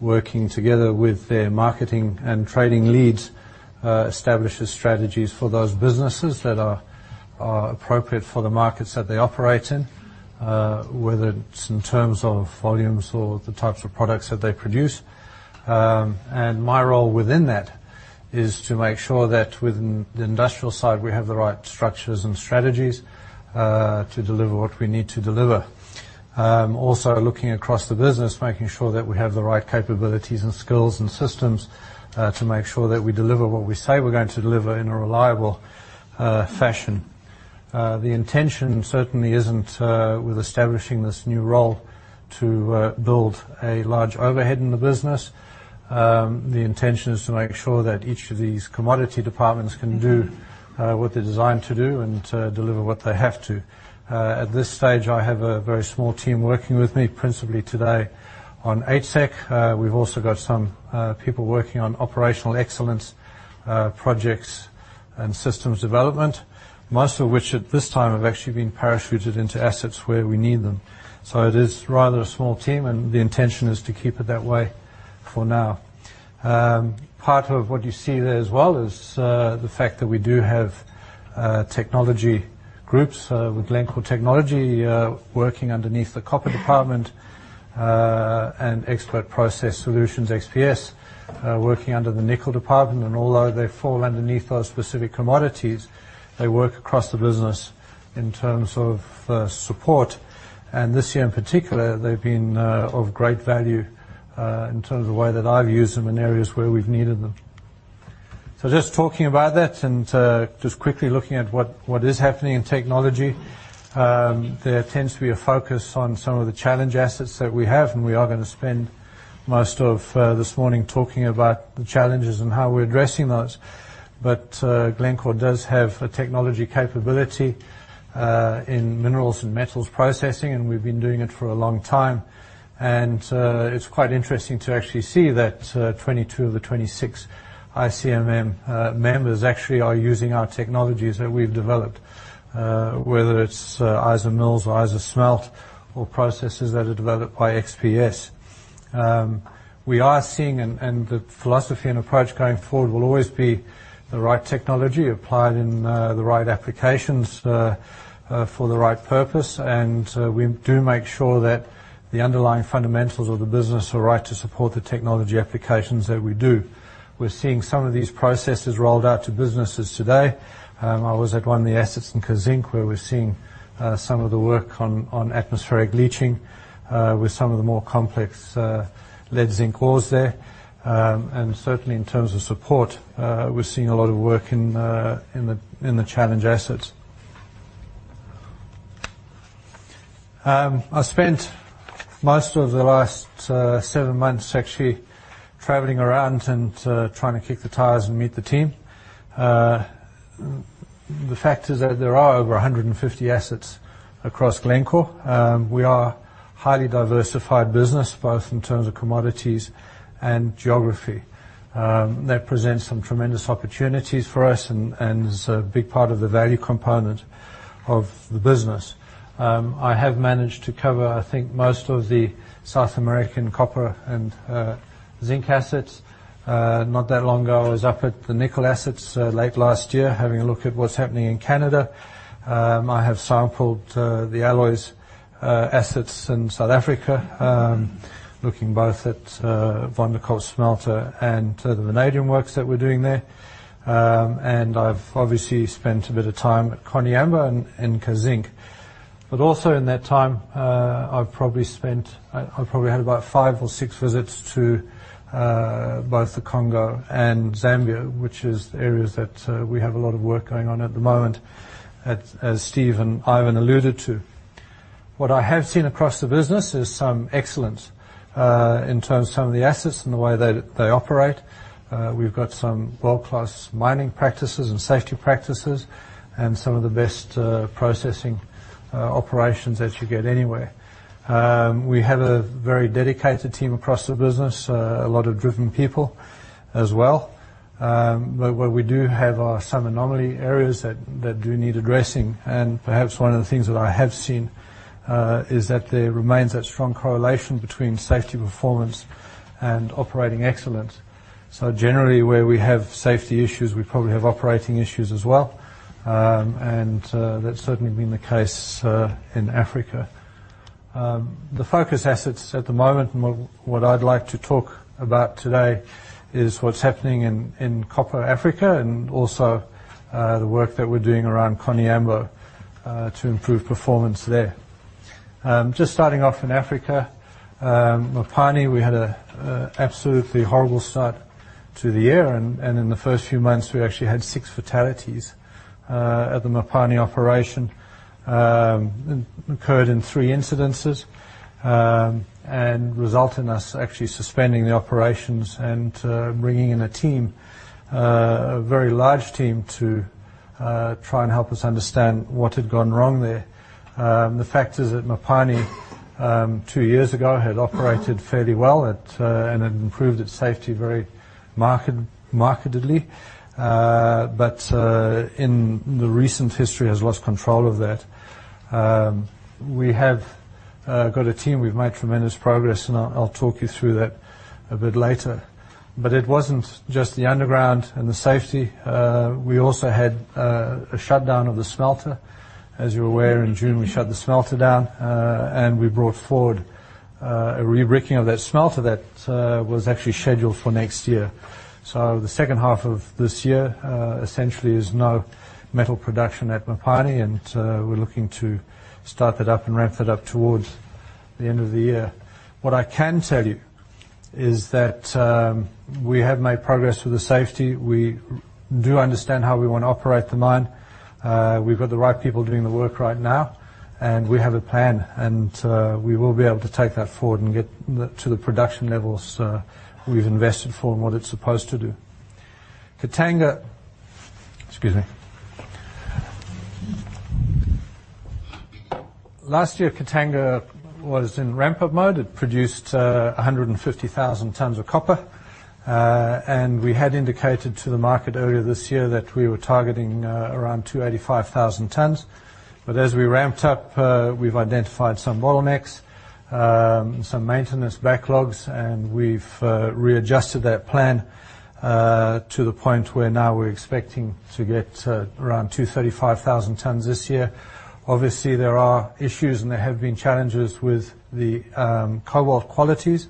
working together with their marketing and trading leads, establishes strategies for those businesses that are appropriate for the markets that they operate in, whether it's in terms of volumes or the types of products that they produce. My role within that is to make sure that within the industrial side, we have the right structures and strategies to deliver what we need to deliver. Looking across the business, making sure that we have the right capabilities, and skills, and systems to make sure that we deliver what we say we're going to deliver in a reliable fashion. The intention certainly isn't with establishing this new role to build a large overhead in the business. The intention is to make sure that each of these commodity departments can do what they're designed to do and deliver what they have to. At this stage, I have a very small team working with me, principally today on HSEC. We've also got some people working on operational excellence projects and systems development, most of which at this time have actually been parachuted into assets where we need them. It is rather a small team, and the intention is to keep it that way for now. Part of what you see there as well is the fact that we do have technology groups with Glencore Technology working underneath the copper department, and Expert Process Solutions, XPS, working under the nickel department. Although they fall underneath those specific commodities, they work across the business in terms of support. This year in particular, they've been of great value in terms of the way that I've used them in areas where we've needed them. Just talking about that and just quickly looking at what is happening in technology. There tends to be a focus on some of the challenge assets that we have, and we are going to spend most of this morning talking about the challenges and how we're addressing those. Glencore does have a technology capability in minerals and metals processing, and we've been doing it for a long time. It's quite interesting to actually see that 2022-2026, ICMM members actually are using our technologies that we've developed, whether it's IsaMills or ISASMELT or processes that are developed by XPS. We are seeing and the philosophy and approach going forward will always be the right technology applied in the right applications for the right purpose. We do make sure that the underlying fundamentals of the business are right to support the technology applications that we do. We're seeing some of these processes rolled out to businesses today. I was at one of the assets in Kazzinc where we're seeing some of the work on atmospheric leaching with some of the more complex lead zinc ores there. Certainly in terms of support, we're seeing a lot of work in the challenge assets. I spent most of the last seven months actually traveling around and trying to kick the tires and meet the team. The fact is that there are over 150 assets across Glencore. We are a highly diversified business, both in terms of commodities and geography. That presents some tremendous opportunities for us and is a big part of the value component of the business. I have managed to cover, I think, most of the South American copper and zinc assets. Not that long ago, I was up at the nickel assets late last year, having a look at what's happening in Canada. I have sampled the alloys assets in South Africa, looking both at Vanderbijlpark Smelter and the vanadium works that we're doing there. I've obviously spent a bit of time at Koniambo and Kazzinc. Also in that time, I've probably had about five or six visits to both the Congo and Zambia, which is areas that we have a lot of work going on at the moment, as Steve and Ivan alluded to. What I have seen across the business is some excellence in terms of some of the assets and the way that they operate. We've got some world-class mining practices and safety practices and some of the best processing operations that you get anywhere. We have a very dedicated team across the business, a lot of driven people as well. Where we do have are some anomaly areas that do need addressing. Perhaps one of the things that I have seen is that there remains that strong correlation between safety performance and operating excellence. Generally, where we have safety issues, we probably have operating issues as well, and that's certainly been the case in Africa. The focus assets at the moment and what I'd like to talk about today is what's happening in copper Africa and also the work that we're doing around Koniambo to improve performance there. Just starting off in Africa. Mopani, we had an absolutely horrible start to the year, and in the first few months, we actually had six fatalities at the Mopani operation. Occurred in three incidences, and result in us actually suspending the operations and bringing in a team, a very large team, to try and help us understand what had gone wrong there. The fact is that Mopani, two years ago, had operated fairly well and had improved its safety very markedly, but in the recent history has lost control of that. We have got a team. We've made tremendous progress, and I'll talk you through that a bit later. It wasn't just the underground and the safety. We also had a shutdown of the smelter. As you're aware, in June, we shut the smelter down, and we brought forward a rebricking of that smelter that was actually scheduled for next year. The second half of this year, essentially, is no metal production at Mopani, and we're looking to start that up and ramp that up towards the end of the year. What I can tell you is that we have made progress with the safety. We do understand how we want to operate the mine. We've got the right people doing the work right now, and we have a plan, and we will be able to take that forward and get to the production levels we've invested for and what it's supposed to do. Katanga. Excuse me. Last year, Katanga was in ramp-up mode. It produced 150,000 tonnes of copper. We had indicated to the market earlier this year that we were targeting around 285,000 tonnes. As we ramped up, we've identified some bottlenecks, some maintenance backlogs, and we've readjusted that plan to the point where now we're expecting to get around 235,000 tonnes this year. Obviously, there are issues and there have been challenges with the cobalt qualities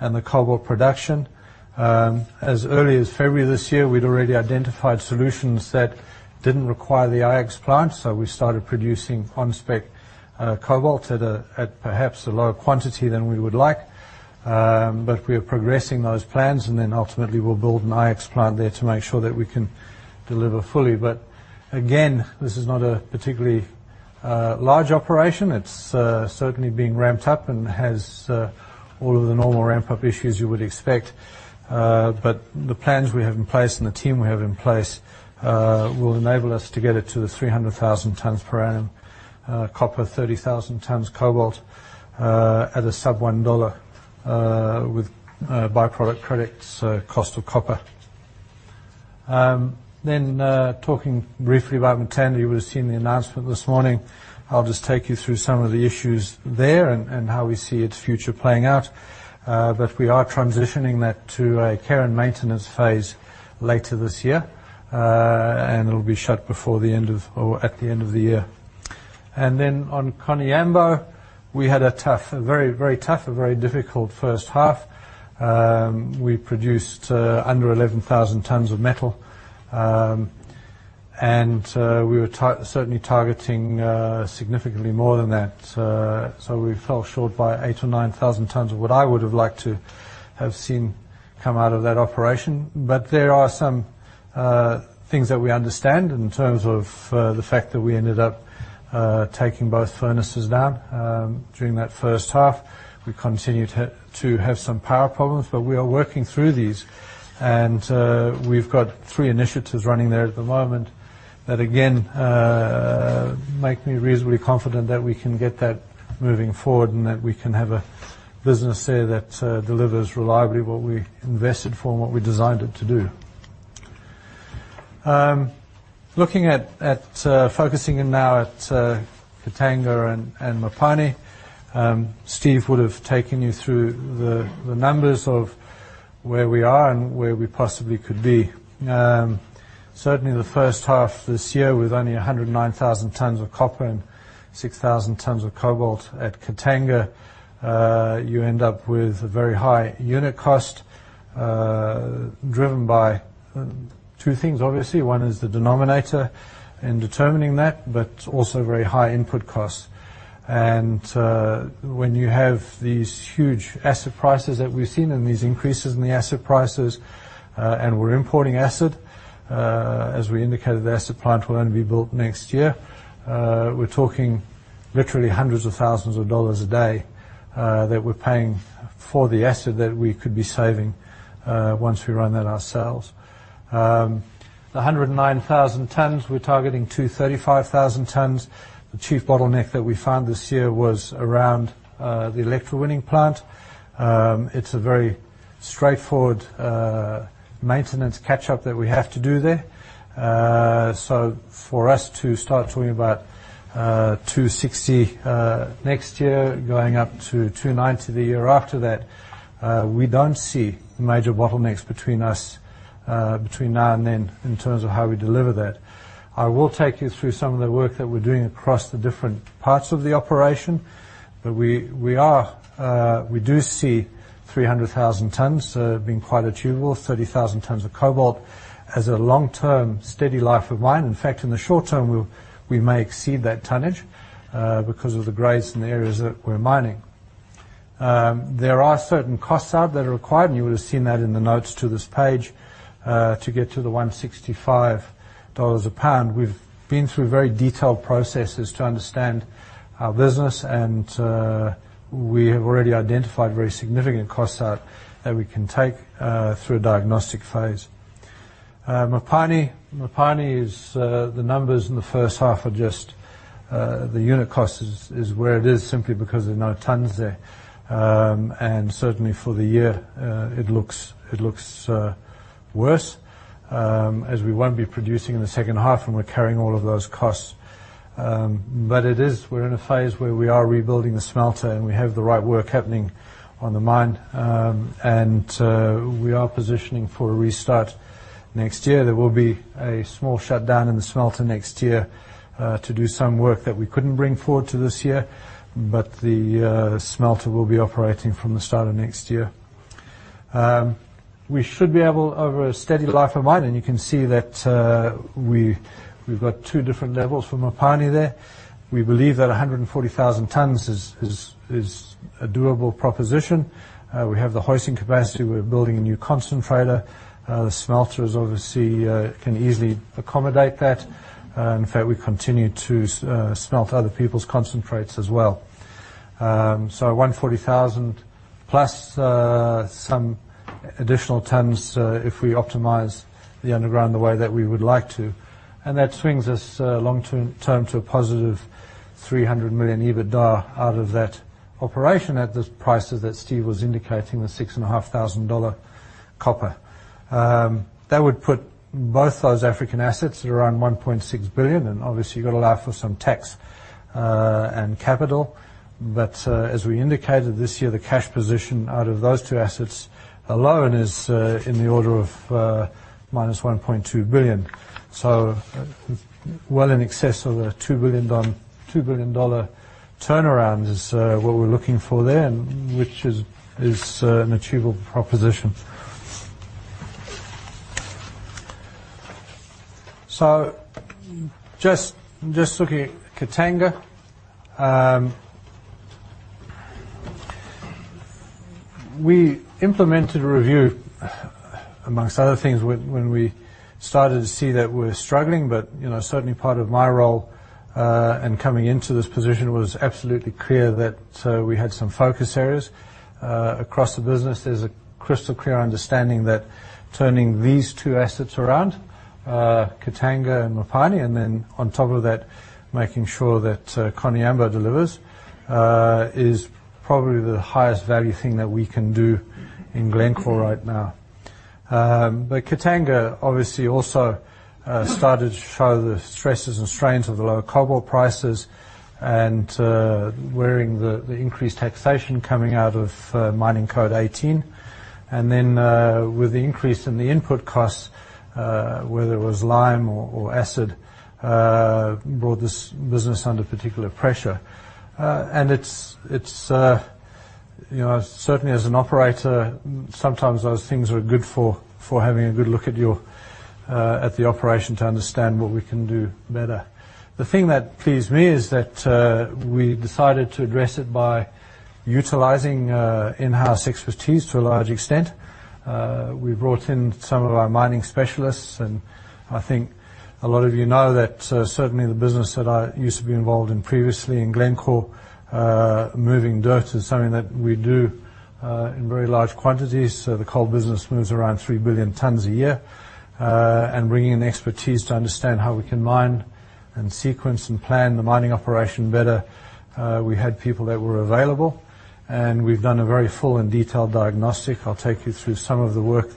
and the cobalt production. As early as February this year, we'd already identified solutions that didn't require the IX plant, so we started producing on-spec cobalt at perhaps a lower quantity than we would like. We are progressing those plans, and then ultimately, we'll build an IX plant there to make sure that we can deliver fully. Again, this is not a particularly large operation. It's certainly being ramped up and has all of the normal ramp-up issues you would expect. The plans we have in place and the team we have in place will enable us to get it to the 300,000 tonnes per annum copper, 30,000 tonnes cobalt at a sub $1 with by-product credits cost of copper. Talking briefly about Mutanda, you would have seen the announcement this morning. I'll just take you through some of the issues there and how we see its future playing out. We are transitioning that to a care and maintenance phase later this year, and it'll be shut before the end of or at the end of the year. On Koniambo, we had a tough, a very tough, a very difficult first half. We produced under 11,000 tonnes of metal, and we were certainly targeting significantly more than that. We fell short by 8,000 or 9,000 tonnes of what I would have liked to have seen come out of that operation. There are some things that we understand in terms of the fact that we ended up taking both furnaces down during that first half. We continued to have some power problems, but we are working through these, and we've got three initiatives running there at the moment that, again, make me reasonably confident that we can get that moving forward and that we can have a business there that delivers reliably what we invested for and what we designed it to do. Looking at focusing in now at Katanga and Mopani, Steve would have taken you through the numbers of where we are and where we possibly could be. Certainly, the first half this year, with only 109,000 tonnes of copper and 6,000 tonnes of cobalt at Katanga, you end up with a very high unit cost driven by two things, obviously. One is the denominator in determining that, but also very high input costs. When you have these huge acid prices that we've seen and these increases in the acid prices, and we're importing acid, as we indicated, the IX plant will only be built next year. We're talking literally hundreds of thousands of dollars a day that we're paying for the acid that we could be saving once we run that ourselves. The 109,000 tonnes, we're targeting 235,000 tonnes. The chief bottleneck that we found this year was around the electrowinning plant. It's a very straightforward maintenance catch-up that we have to do there. For us to start talking about 260,000 tonnes next year, going up to 290,000 tonnes the year after that, we don't see major bottlenecks between us, between now and then in terms of how we deliver that. I will take you through some of the work that we're doing across the different parts of the operation. We do see 300,000 tonnes being quite achievable, 30,000 tonnes of cobalt as a long-term steady life of mine. In fact, in the short term, we may exceed that tonnage because of the grades in the areas that we're mining. There are certain costs out that are required, and you would have seen that in the notes to this page to get to the 165. <inaudible> We've been through very detailed processes to understand our business, and we have already identified very significant costs out that we can take through a diagnostic phase. Mopani. Mopani, the unit cost is where it is simply because there are no tonnes there. Certainly for the year, it looks worse as we won't be producing in the second half and we're carrying all of those costs. We're in a phase where we are rebuilding the smelter, and we have the right work happening on the mine. We are positioning for a restart next year. There will be a small shutdown in the smelter next year to do some work that we couldn't bring forward to this year, but the smelter will be operating from the start of next year. We should be able, over a steady life of mine, and you can see that we've got two different levels for Mopani there. We believe that 140,000 tonnes is a doable proposition. We have the hoisting capacity. We're building a new concentrator. The smelters obviously can easily accommodate that. In fact, we continue to smelt other people's concentrates as well. 140,000+ some additional tonnes if we optimize the underground the way that we would like to. That swings us long-term to a +$300 million EBITDA out of that operation at those prices that Steve was indicating, the $6,500 copper. That would put both those African assets at around $1.6 billion and obviously you've got to allow for some tax and capital. As we indicated this year, the cash position out of those two assets alone is in the order of -$1.2 billion. Well in excess of a $2 billion turnaround is what we're looking for there, and which is an achievable proposition. Just looking at Katanga, we implemented a review amongst other things when we started to see that we're struggling. Certainly part of my role, and coming into this position, was absolutely clear that we had some focus areas. Across the business, there's a crystal clear understanding that turning these two assets around, Katanga and Mopani, and then on top of that, making sure that Koniambo delivers, is probably the highest value thing that we can do in Glencore right now. Katanga obviously also started to show the stresses and strains of the lower cobalt prices and wearing the increased taxation coming out of Mining Code 18. With the increase in the input costs, whether it was lime or acid, brought this business under particular pressure. Certainly as an operator, sometimes those things are good for having a good look at the operation to understand what we can do better. The thing that pleased me is that we decided to address it by utilizing in-house expertise to a large extent. We brought in some of our mining specialists. I think a lot of you know that certainly the business that I used to be involved in previously in Glencore, moving dirt is something that we do in very large quantities. The coal business moves around 3 billion tonnes a year. Bringing in expertise to understand how we can mine and sequence and plan the mining operation better, we had people that were available, and we've done a very full and detailed diagnostic. I'll take you through some of the work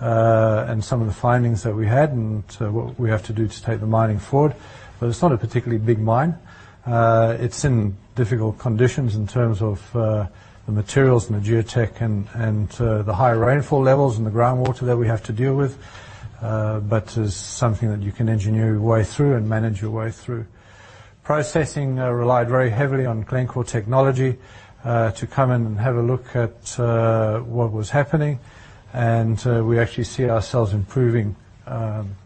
and some of the findings that we had and what we have to do to take the mining forward. It's not a particularly big mine. It's in difficult conditions in terms of the materials and the geotech and the high rainfall levels and the groundwater that we have to deal with. It's something that you can engineer your way through and manage your way through. Processing relied very heavily on Glencore Technology to come in and have a look at what was happening, and we actually see ourselves improving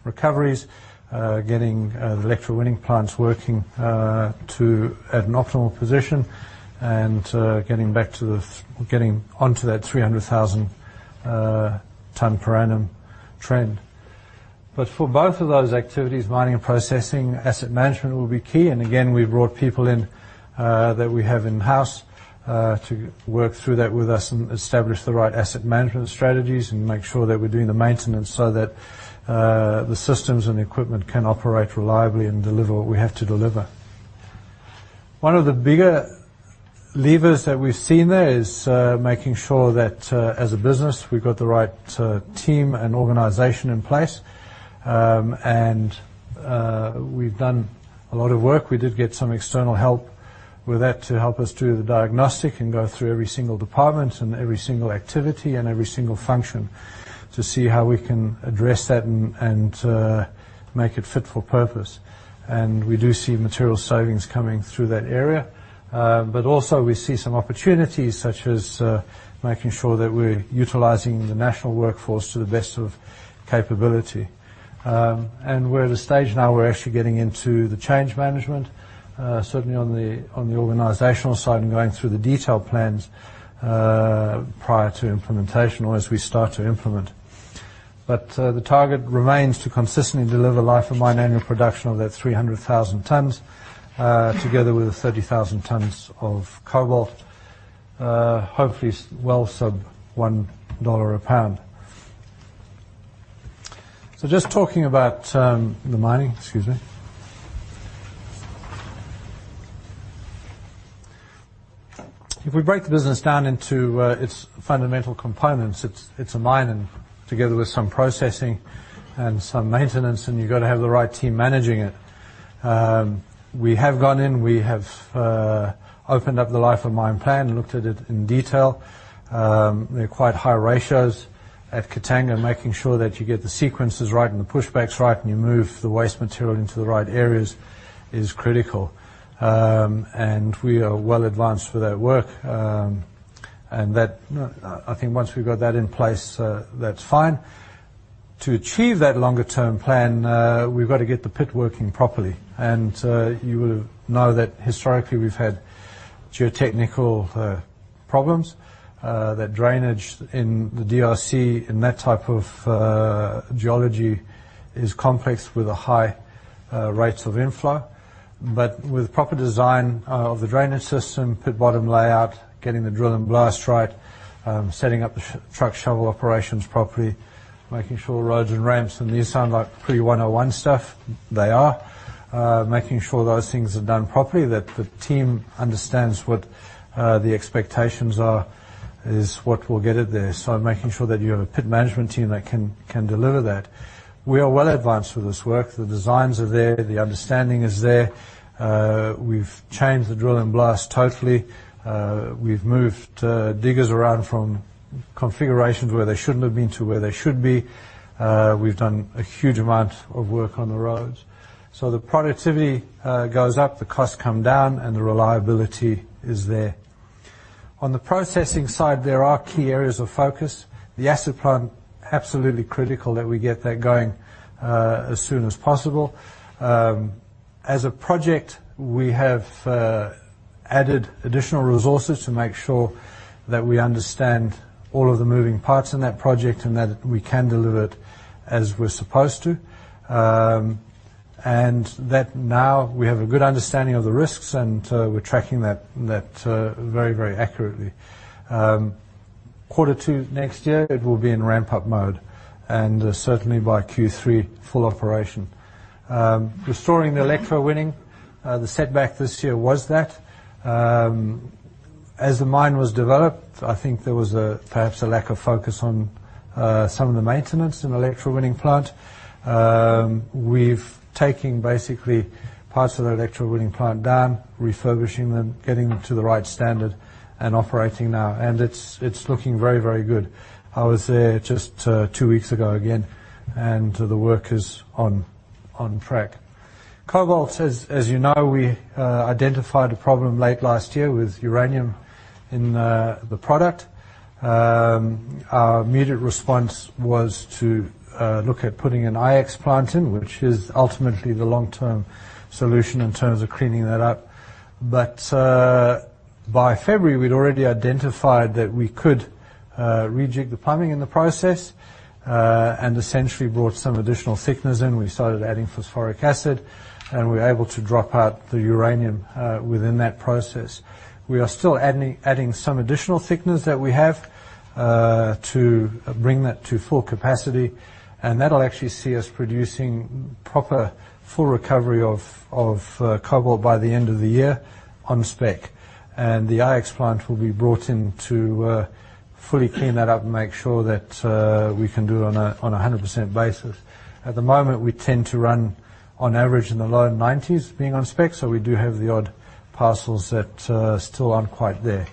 recoveries, getting the electrowinning plants working at an optimal position, and getting onto that 300,000 tonnes per annum trend. For both of those activities, mining and processing, asset management will be key. Again, we've brought people in that we have in-house to work through that with us and establish the right asset management strategies and make sure that we're doing the maintenance so that the systems and the equipment can operate reliably and deliver what we have to deliver. One of the bigger levers that we've seen there is making sure that as a business, we've got the right team and organization in place, and we've done a lot of work. We did get some external help with that to help us do the diagnostic and go through every single department and every single activity and every single function to see how we can address that and make it fit for purpose. We do see material savings coming through that area. Also, we see some opportunities such as making sure that we're utilizing the national workforce to the best of capability. We're at a stage now we're actually getting into the change management, certainly on the organizational side and going through the detailed plans prior to implementation or as we start to implement. The target remains to consistently deliver life of mine annual production of that 300,000 tonnes, together with the 30,000 tonnes of cobalt, hopefully well sub $1 a pound. Just talking about the mining, excuse me. If we break the business down into its fundamental components, it's a mine and together with some processing and some maintenance, and you've got to have the right team managing it. We have gone in, we have opened up the life of mine plan, looked at it in detail. They're quite high ratios at Katanga, making sure that you get the sequences right and the pushbacks right, and you move the waste material into the right areas is critical. We are well advanced for that work. That, I think once we've got that in place, that's fine. To achieve that longer-term plan, we've got to get the pit working properly. You will know that historically we've had geotechnical problems, that drainage in the DRC and that type of geology is complex with high rates of inflow. With proper design of the drainage system, pit bottom layout, getting the drill and blast right, setting up the truck shuttle operations properly, making sure roads and ramps and these sound like pretty 101 stuff, they are. Making sure those things are done properly, that the team understands what the expectations are is what will get it there. Making sure that you have a pit management team that can deliver that. We are well advanced with this work. The designs are there, the understanding is there. We've changed the drill and blast totally. We've moved diggers around from configurations where they shouldn't have been to where they should be. We've done a huge amount of work on the roads. The productivity goes up, the costs come down, and the reliability is there. On the processing side, there are key areas of focus. The acid plant, absolutely critical that we get that going as soon as possible. As a project, we have added additional resources to make sure that we understand all of the moving parts in that project and that we can deliver it as we're supposed to. That now we have a good understanding of the risks, and we're tracking that very, very accurately. Quarter two next year, it will be in ramp-up mode, and certainly by Q3, full operation. Restoring the electrowinning, the setback this year was that. As the mine was developed, I think there was perhaps a lack of focus on some of the maintenance in electrowinning plant. We've taken basically parts of the electrowinning plant down, refurbishing them, getting them to the right standard and operating now. It's looking very, very good. I was there just two weeks ago again, and the work is on track. Cobalt, as you know, we identified a problem late last year with uranium in the product. Our immediate response was to look at putting an IX plant in, which is ultimately the long-term solution in terms of cleaning that up. By February, we'd already identified that we could rejig the plumbing in the process, and essentially brought some additional thickness in. We started adding phosphoric acid, and we were able to drop out the uranium within that process. We are still adding some additional thickness that we have to bring that to full capacity. That'll actually see us producing proper, full recovery of cobalt by the end of the year on spec. The IX plant will be brought in to fully clean that up and make sure that we can do it on a 100% basis. At the moment, we tend to run on average in the low 90s being on spec. We do have the odd parcels that still aren't quite there.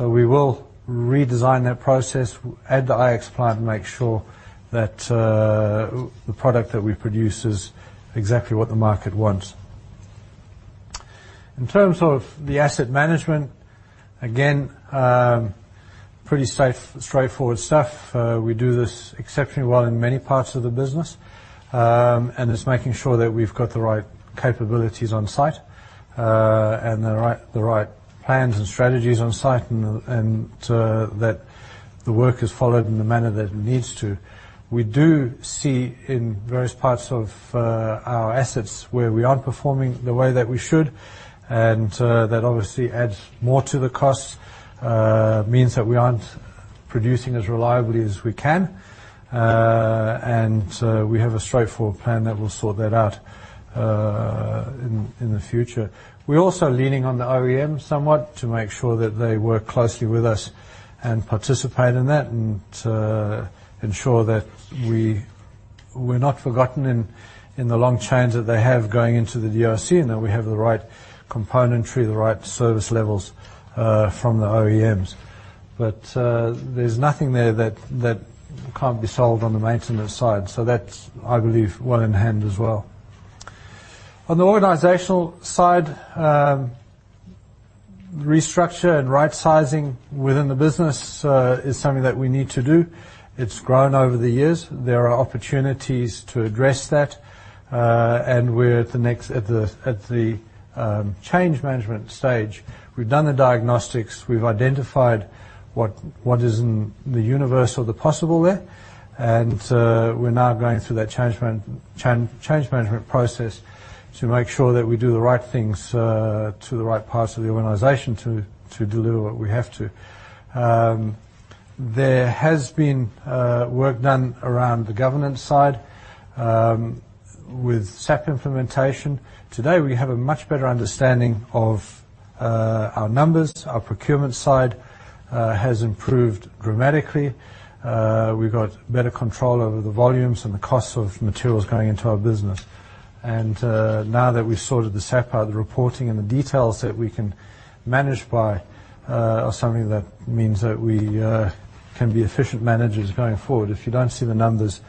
We will redesign that process, add the IX plant, and make sure that the product that we produce is exactly what the market wants. In terms of the asset management, again, pretty straightforward stuff. We do this exceptionally well in many parts of the business, and it's making sure that we've got the right capabilities on site, and the right plans and strategies on site and that the work is followed in the manner that it needs to. We do see in various parts of our assets where we aren't performing the way that we should, and that obviously adds more to the costs, means that we aren't producing as reliably as we can. We have a straightforward plan that will sort that out in the future. We're also leaning on the OEM somewhat to make sure that they work closely with us and participate in that and ensure that we're not forgotten in the long chains that they have going into the DRC and that we have the right componentry, the right service levels from the OEMs. There's nothing there that can't be solved on the maintenance side. That's, I believe, well in hand as well. On the organizational side, restructure and rightsizing within the business is something that we need to do. It's grown over the years. There are opportunities to address that. We're at the change management stage. We've done the diagnostics. We've identified what is in the universe of the possible there. We're now going through that change management process to make sure that we do the right things to the right parts of the organization to deliver what we have to. There has been work done around the governance side with SAP implementation. Today, we have a much better understanding of our numbers. Our procurement side has improved dramatically. We've got better control over the volumes and the cost of materials going into our business. Now that we've sorted the SAP out, the reporting and the details that we can manage by are something that means that we can be efficient managers going forward. If you don't see the numbers,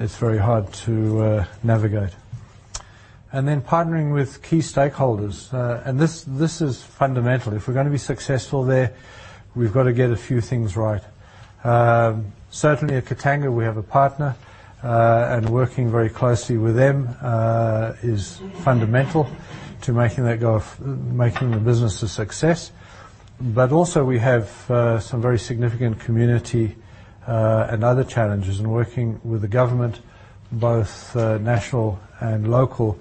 it's very hard to navigate. Partnering with key stakeholders. This is fundamental. If we're going to be successful there, we've got to get a few things right. Certainly at Katanga, we have a partner, and working very closely with them is fundamental to making the business a success. Also, we have some very significant community and other challenges and working with the government, both national and local,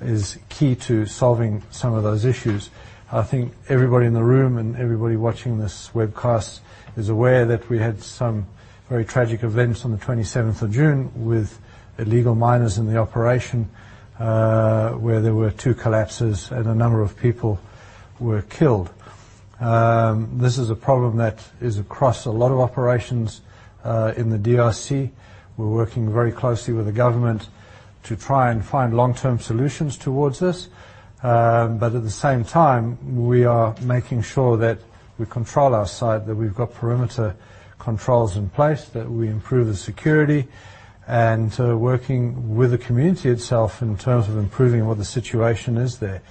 is key to solving some of those issues. I think everybody in the room and everybody watching this webcast is aware that we had some very tragic events on the 27th of June with illegal miners in the operation, where there were two collapses and a number of people were killed. This is a problem that is across a lot of operations in the DRC. We're working very closely with the government to try and find long-term solutions towards this. At the same time, we are making sure that we control our site, that we've got perimeter controls in place, that we improve the security and working with the community itself in terms of improving what the situation is there.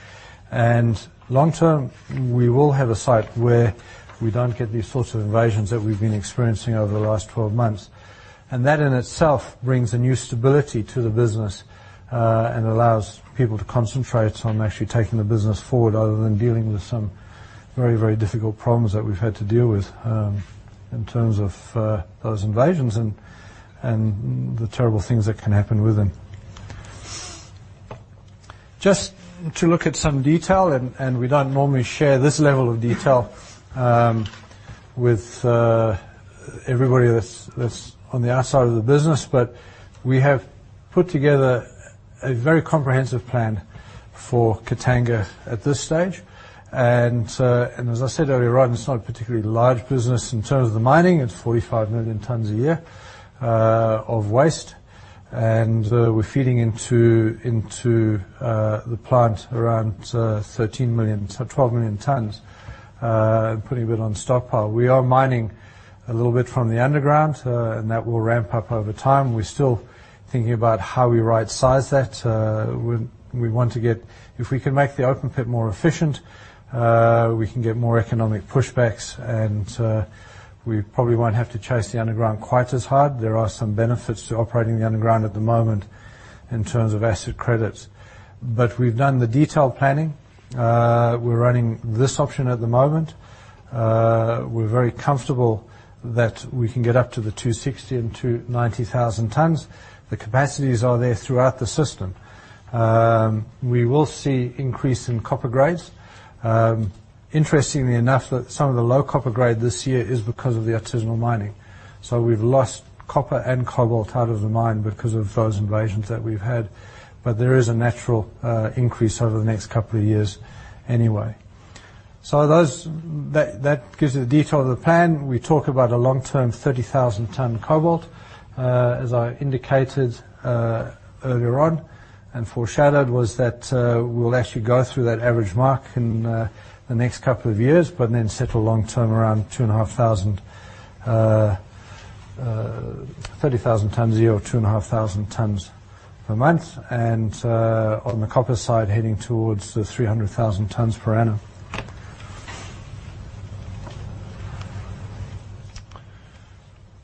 Long-term, we will have a site where we don't get these sorts of invasions that we've been experiencing over the last 12 months. That in itself brings a new stability to the business and allows people to concentrate on actually taking the business forward other than dealing with some very, very difficult problems that we've had to deal with in terms of those invasions and the terrible things that can happen with them. To look at some detail, we don't normally share this level of detail with everybody that's on the outside of the business, but we have put together a very comprehensive plan for Katanga at this stage. As I said earlier on, it's not a particularly large business in terms of the mining. It's 45 million tonnes a year of waste, and we're feeding into the plant around 13 million-12 million tonnes, putting a bit on stockpile. We are mining a little bit from the underground, and that will ramp up over time. We're still thinking about how we rightsize that. If we can make the open pit more efficient, we can get more economic pushbacks and we probably won't have to chase the underground quite as hard. There are some benefits to operating the underground at the moment in terms of asset credits. We've done the detailed planning. We're running this option at the moment. We're very comfortable that we can get up to the 260,000 tonnes and 290,000 tonnes. The capacities are there throughout the system. We will see increase in copper grades. Interestingly enough, some of the low copper grade this year is because of the artisanal mining. We've lost copper and cobalt out of the mine because of those invasions that we've had. There is a natural increase over the next couple of years anyway. That gives you the detail of the plan. We talk about a long-term 30,000 tonnes cobalt, as I indicated earlier on and foreshadowed was that we'll actually go through that average mark in the next couple of years, but then settle long-term around 2,500 tonnes. 30,000 tonnes a year or 2,500 tonnes per month. On the copper side, heading towards the 300,000 tonnes per annum.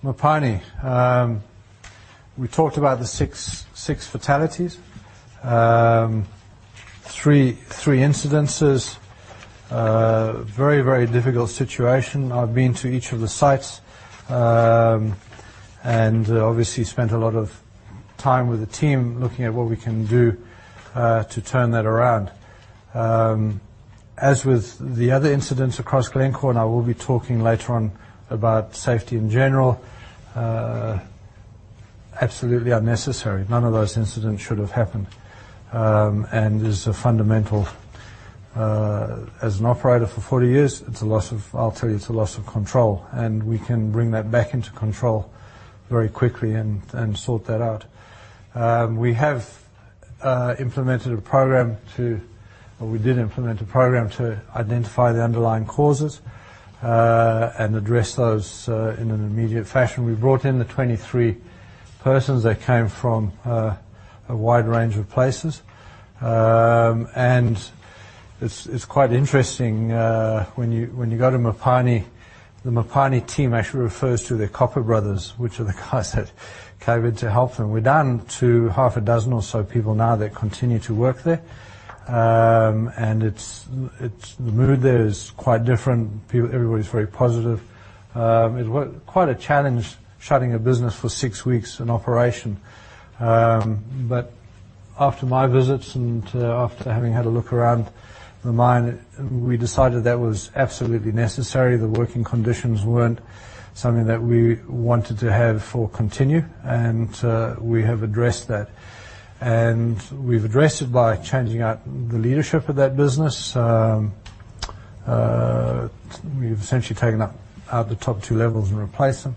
Mopani. We talked about the six fatalities. Three incidences. Very, very difficult situation. I've been to each of the sites, and obviously spent a lot of time with the team looking at what we can do to turn that around. As with the other incidents across Glencore, and I will be talking later on about safety in general. Absolutely unnecessary. None of those incidents should have happened. As a fundamental, as an operator for 40 years, I'll tell you, it's a loss of control, and we can bring that back into control very quickly and sort that out. We did implement a program to identify the underlying causes and address those in an immediate fashion. We brought in the 23 persons that came from a wide range of places. It's quite interesting, when you go to Mopani, the Mopani team actually refers to their Copper Brothers, which are the guys that came in to help them. We're down to half a dozen or so people now that continue to work there. The mood there is quite different. Everybody's very positive. It was quite a challenge shutting a business for six weeks in operation. After my visits and after having had a look around the mine, we decided that was absolutely necessary. The working conditions weren't something that we wanted to have continue, and we have addressed that. We've addressed it by changing out the leadership of that business. We've essentially taken out the top two levels and replaced them.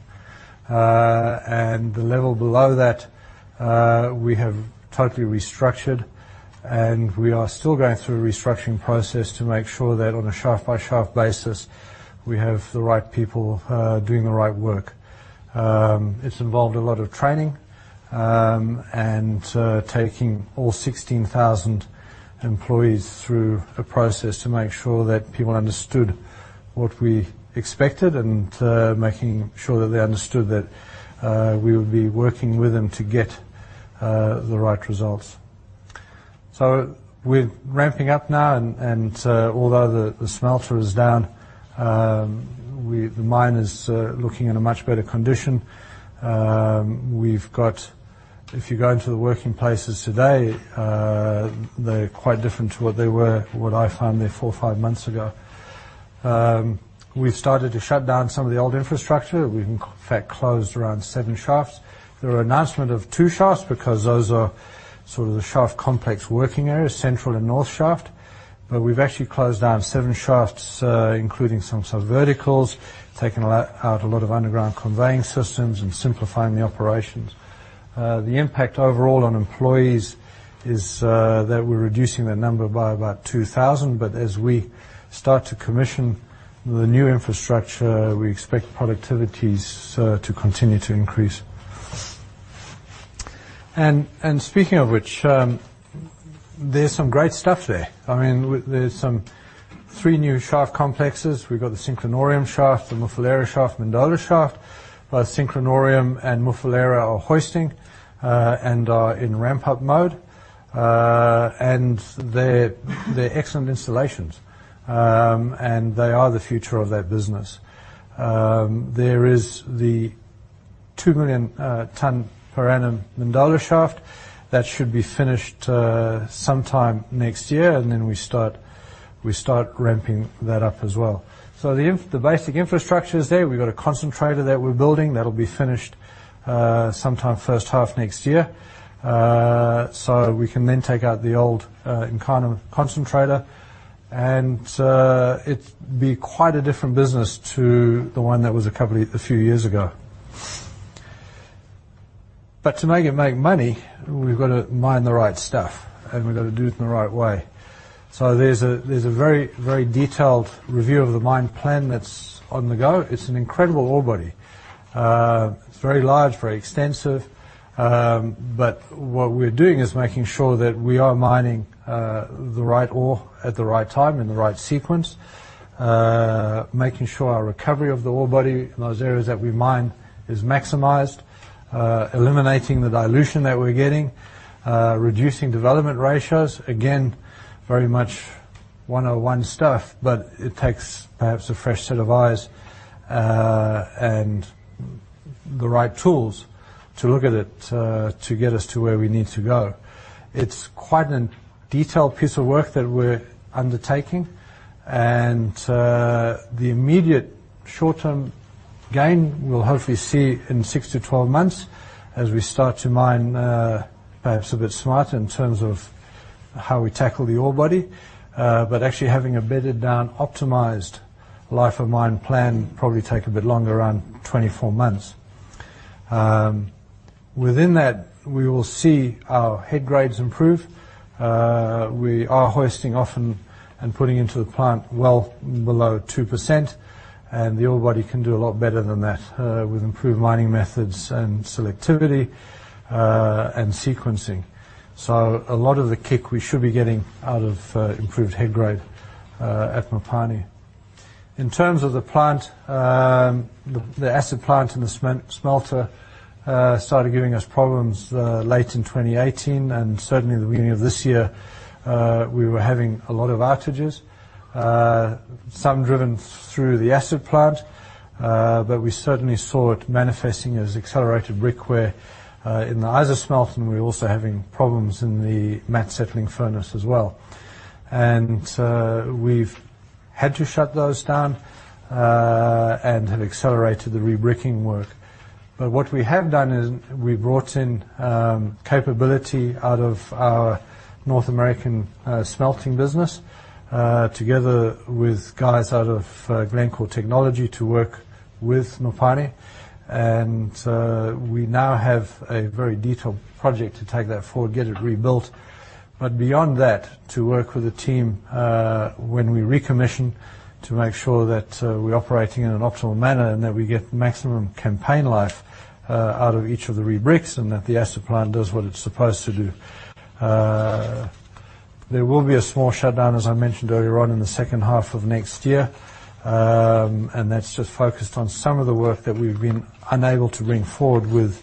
The level below that, we have totally restructured, and we are still going through a restructuring process to make sure that on a shaft-by-shaft basis, we have the right people doing the right work. It's involved a lot of training, and taking all 16,000 employees through a process to make sure that people understood what we expected and making sure that they understood that we would be working with them to get the right results. We're ramping up now and although the smelter is down, the mine is looking in a much better condition. If you go into the working places today, they're quite different to what they were, what I found there four months, five months ago. We've started to shut down some of the old infrastructure. We've in fact closed around seven shafts. There were announcement of two shafts because those are sort of the shaft complex working areas, central and north shaft. But we've actually closed down seven shafts, including some verticals, taken out a lot of underground conveying systems and simplifying the operations. The impact overall on employees is that we're reducing that number by about 2,000, but as we start to commission the new infrastructure, we expect productivities to continue to increase. And speaking of which, there's some great stuff there. There's some three new shaft complexes. We've got the Synclinorium shaft, the Mufulira shaft, Mindola shaft. Both Synclinorium and Mufulira are hoisting, and are in ramp-up mode. They're excellent installations. They are the future of that business. There is the 2 million-tonnes per annum Mindola shaft. That should be finished sometime next year, and then we start ramping that up as well. The basic infrastructure is there. We've got a concentrator that we're building that'll be finished sometime first half next year. We can then take out the old Nkana concentrator and it'll be quite a different business to the one that was a couple, a few years ago. To make it make money, we've got to mine the right stuff, and we've got to do it in the right way. There's a very detailed review of the mine plan that's on the go. It's an incredible ore body. It's very large, very extensive. What we're doing is making sure that we are mining the right ore at the right time in the right sequence, making sure our recovery of the ore body in those areas that we mine is maximized, eliminating the dilution that we're getting, reducing development ratios. Again, very much 101 stuff, but it takes perhaps a fresh set of eyes and the right tools to look at it to get us to where we need to go. It's quite a detailed piece of work that we're undertaking, and the immediate short-term gain we'll hopefully see in six months-12 months as we start to mine perhaps a bit smarter in terms of how we tackle the ore body. Actually having a bedded down, optimized life of mine plan probably take a bit longer, around 24 months. Within that, we will see our head grades improve. We are hoisting often and putting into the plant well below 2%, and the ore body can do a lot better than that with improved mining methods and selectivity, and sequencing. A lot of the kick we should be getting out of improved head grade at Mopani. In terms of the plant, the acid plant and the smelter started giving us problems late in 2018, and certainly the beginning of this year, we were having a lot of outages. Some driven through the acid plant, we certainly saw it manifesting as accelerated brick wear in the ISASMELT, and we're also having problems in the matte settling furnace as well. We've had to shut those down, and have accelerated the rebricking work. What we have done is we've brought in capability out of our North American smelting business, together with guys out of Glencore Technology to work with Mopani. We now have a very detailed project to take that forward, get it rebuilt. Beyond that, to work with a team when we recommission to make sure that we're operating in an optimal manner and that we get maximum campaign life out of each of the rebricks and that the acid plant does what it's supposed to do. There will be a small shutdown, as I mentioned earlier on, in the second half of next year, and that's just focused on some of the work that we've been unable to bring forward with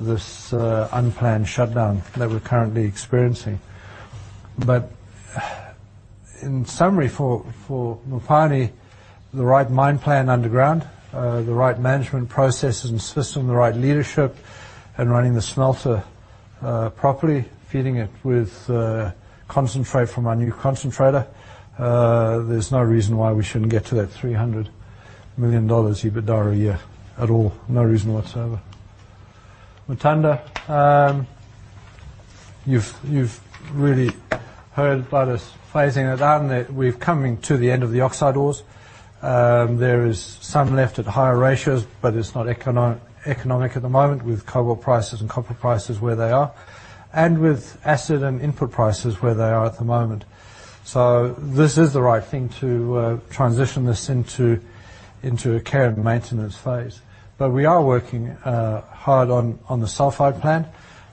this unplanned shutdown that we're currently experiencing. In summary, for Mopani, the right mine plan underground, the right management processes and system, the right leadership, and running the smelter properly, feeding it with concentrate from our new concentrator, there's no reason why we shouldn't get to that $300 million EBITDA a year at all. No reason whatsoever. Mutanda. You've really heard about us phasing it out and that we're coming to the end of the oxide ores. There is some left at higher ratios, but it's not economic at the moment with cobalt prices and copper prices where they are, and with acid and input prices where they are at the moment. This is the right thing to transition this into a care and maintenance phase. We are working hard on the sulfide plant.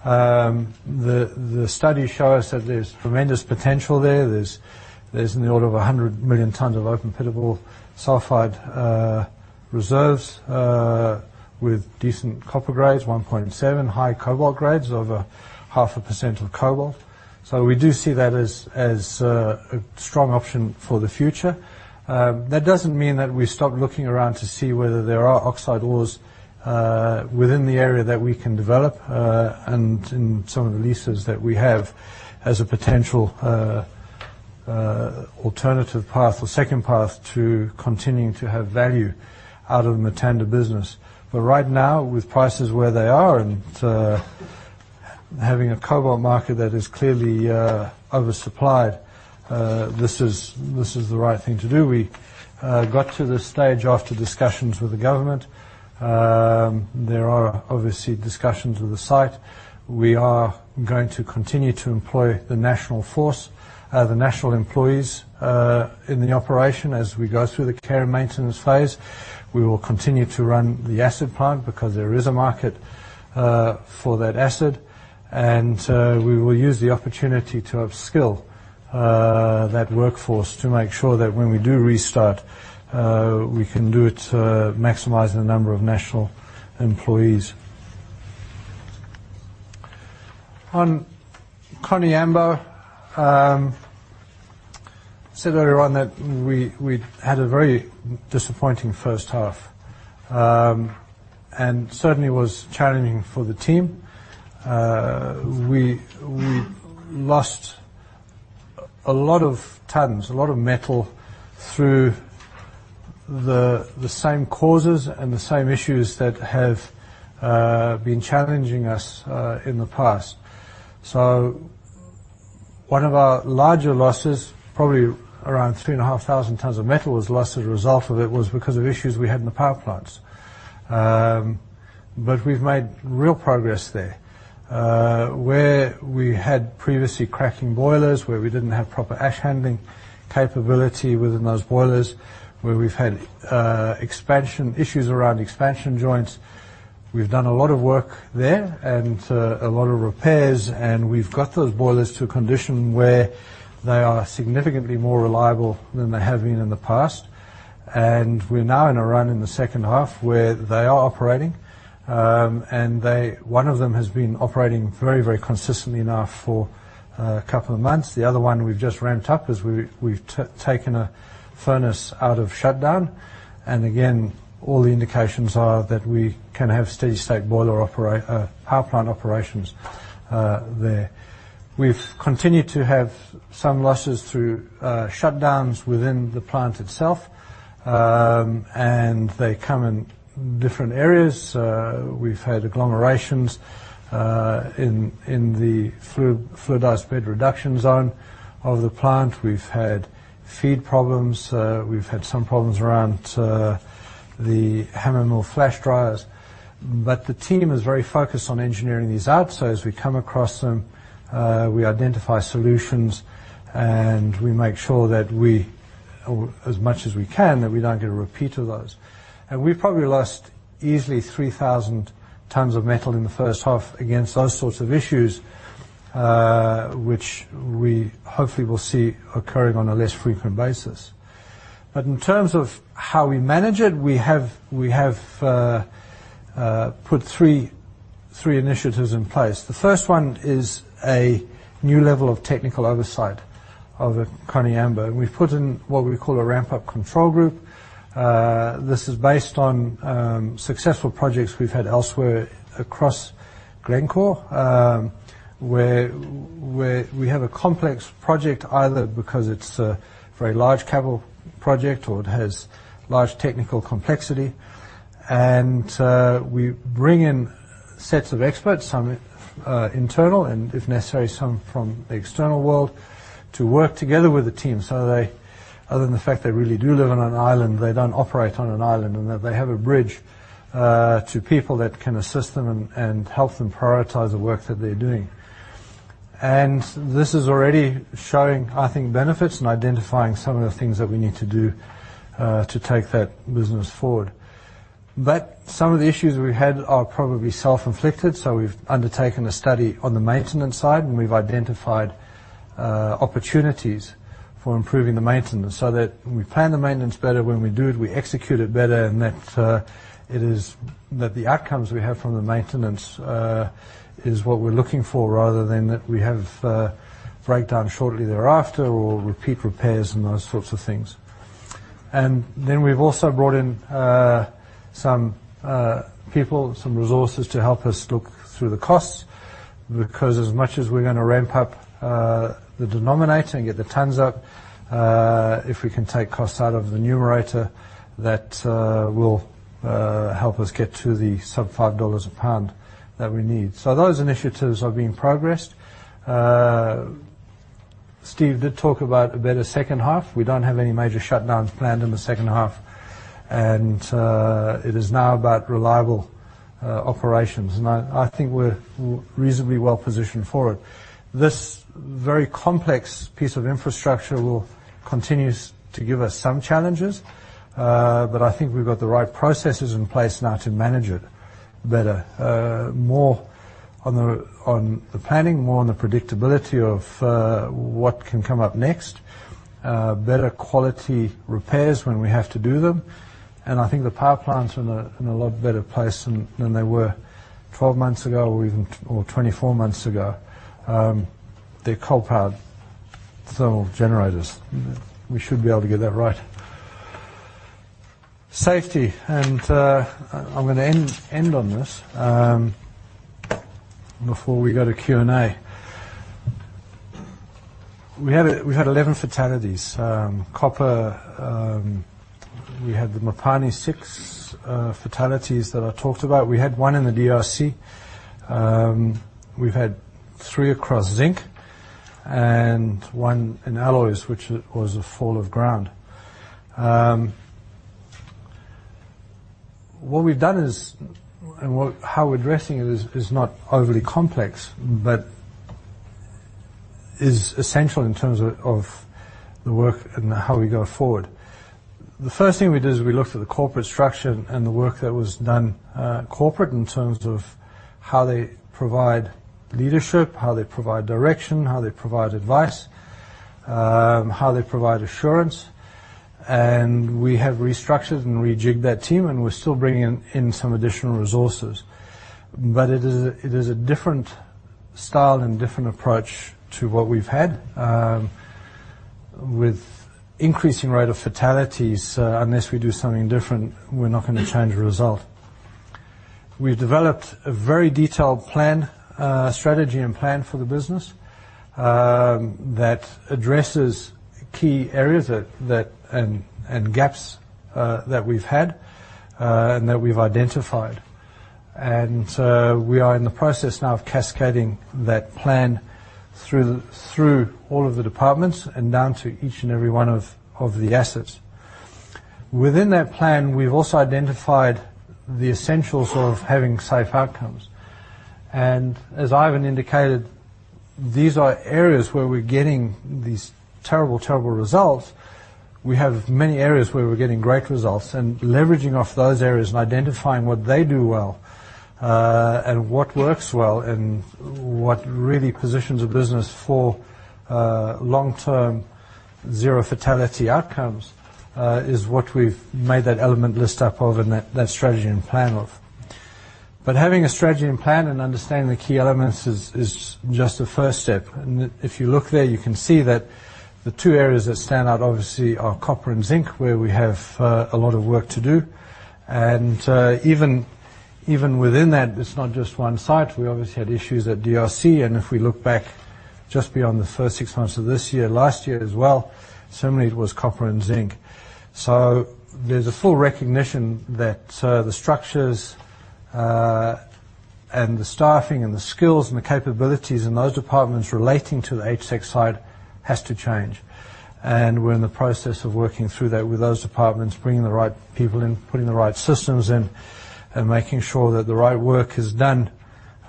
The studies show us that there's tremendous potential there. There's in the order of 100 million tonnes of open pitable sulfide reserves with decent copper grades, 1.7 high cobalt grades, over 0.5% of cobalt. We do see that as a strong option for the future. That doesn't mean that we stop looking around to see whether there are oxide ores within the area that we can develop and in some of the leases that we have as a potential alternative path or second path to continuing to have value out of the Mutanda business. Right now, with prices where they are and having a cobalt market that is clearly oversupplied, this is the right thing to do. We got to this stage after discussions with the government. There are obviously discussions with the site. We are going to continue to employ the national force, the national employees, in the operation as we go through the care and maintenance phase. We will continue to run the acid plant because there is a market for that acid, and we will use the opportunity to upskill that workforce to make sure that when we do restart, we can do it maximizing the number of national employees. On Koniambo, I said earlier on that we had a very disappointing first half, and certainly was challenging for the team. We lost a lot of tonnes, a lot of metal through the same causes and the same issues that have been challenging us in the past. One of our larger losses, probably around 3,500 tonnes of metal was lost as a result of it, was because of issues we had in the power plants. We've made real progress there. Where we had previously cracking boilers, where we didn't have proper ash handling capability within those boilers, where we've had expansion issues around expansion joints. We've done a lot of work there and a lot of repairs, and we've got those boilers to a condition where they are significantly more reliable than they have been in the past. We're now in a run in the second half where they are operating, and one of them has been operating very consistently now for a couple of months. The other one we've just ramped up as we've taken a furnace out of shutdown. Again, all the indications are that we can have steady state boiler power plant operations there. We've continued to have some losses through shutdowns within the plant itself, and they come in different areas. We've had agglomerations in the fluidized bed reduction zone of the plant. We've had feed problems. We've had some problems around the hammer mill flash dryers. The team is very focused on engineering these out, so as we come across them, we identify solutions, and we make sure that we, as much as we can, that we don't get a repeat of those. We've probably lost easily 3,000 tonnes of metal in the first half against those sorts of issues, which we hopefully will see occurring on a less frequent basis. In terms of how we manage it, we have put three initiatives in place. The first one is a new level of technical oversight of Koniambo. We've put in what we call a ramp-up control group. This is based on successful projects we've had elsewhere across Glencore, where we have a complex project, either because it's a very large CapEx project or it has large technical complexity. We bring in sets of experts, some internal and if necessary, some from the external world to work together with the team. Other than the fact they really do live on an island, they don't operate on an island, and that they have a bridge to people that can assist them and help them prioritize the work that they're doing. This is already showing, I think, benefits in identifying some of the things that we need to do to take that business forward. Some of the issues we've had are probably self-inflicted, so we've undertaken a study on the maintenance side, and we've identified opportunities for improving the maintenance, so that when we plan the maintenance better, when we do it, we execute it better, and that the outcomes we have from the maintenance is what we're looking for, rather than that we have breakdown shortly thereafter or repeat repairs and those sorts of things. Then we've also brought in some people, some resources to help us look through the costs, because as much as we're going to ramp up the denominator and get the tonnes up, if we can take costs out of the numerator, that will help us get to the sub $5 a pound that we need. Those initiatives are being progressed. Steve did talk about a better second half. We don't have any major shutdowns planned in the second half. It is now about reliable operations. I think we're reasonably well-positioned for it. This very complex piece of infrastructure will continue to give us some challenges. I think we've got the right processes in place now to manage it better. More on the planning, more on the predictability of what can come up next, better quality repairs when we have to do them. I think the power plants are in a lot better place than they were 12 months ago or even 24 months ago. They're coal-powered thermal generators. We should be able to get that right. Safety, I'm going to end on this before we go to Q&A. We've had 11 fatalities. Copper, we had the Mopani six fatalities that I talked about. We had one in the DRC. We've had three across zinc and one in alloys, which was a fall of ground. What we've done and how we're addressing it is not overly complex but is essential in terms of the work and how we go forward. The first thing we did is we looked at the corporate structure and the work that was done corporate in terms of how they provide leadership, how they provide direction, how they provide advice, how they provide assurance. We have restructured and rejigged that team, and we're still bringing in some additional resources. It is a different style and different approach to what we've had. With increasing rate of fatalities, unless we do something different, we're not going to change the result. We've developed a very detailed plan, strategy, and plan for the business that addresses key areas and gaps that we've had and that we've identified. We are in the process now of cascading that plan through all of the departments and down to each and every one of the assets. Within that plan, we've also identified the essentials of having safe outcomes. As Ivan indicated, these are areas where we're getting these terrible results. We have many areas where we're getting great results, and leveraging off those areas and identifying what they do well, and what works well, and what really positions a business for long-term zero-fatality outcomes, is what we've made that element list up of and that strategy and plan of. Having a strategy and plan and understanding the key elements is just the first step. If you look there, you can see that the two areas that stand out obviously are copper and zinc, where we have a lot of work to do. Even within that, it's not just one site. We obviously had issues at DRC, and if we look back just beyond the first six months of this year, last year as well, similarly, it was copper and zinc. There's a full recognition that the structures and the staffing and the skills and the capabilities in those departments relating to the HSEC side has to change. We're in the process of working through that with those departments, bringing the right people in, putting the right systems in, and making sure that the right work is done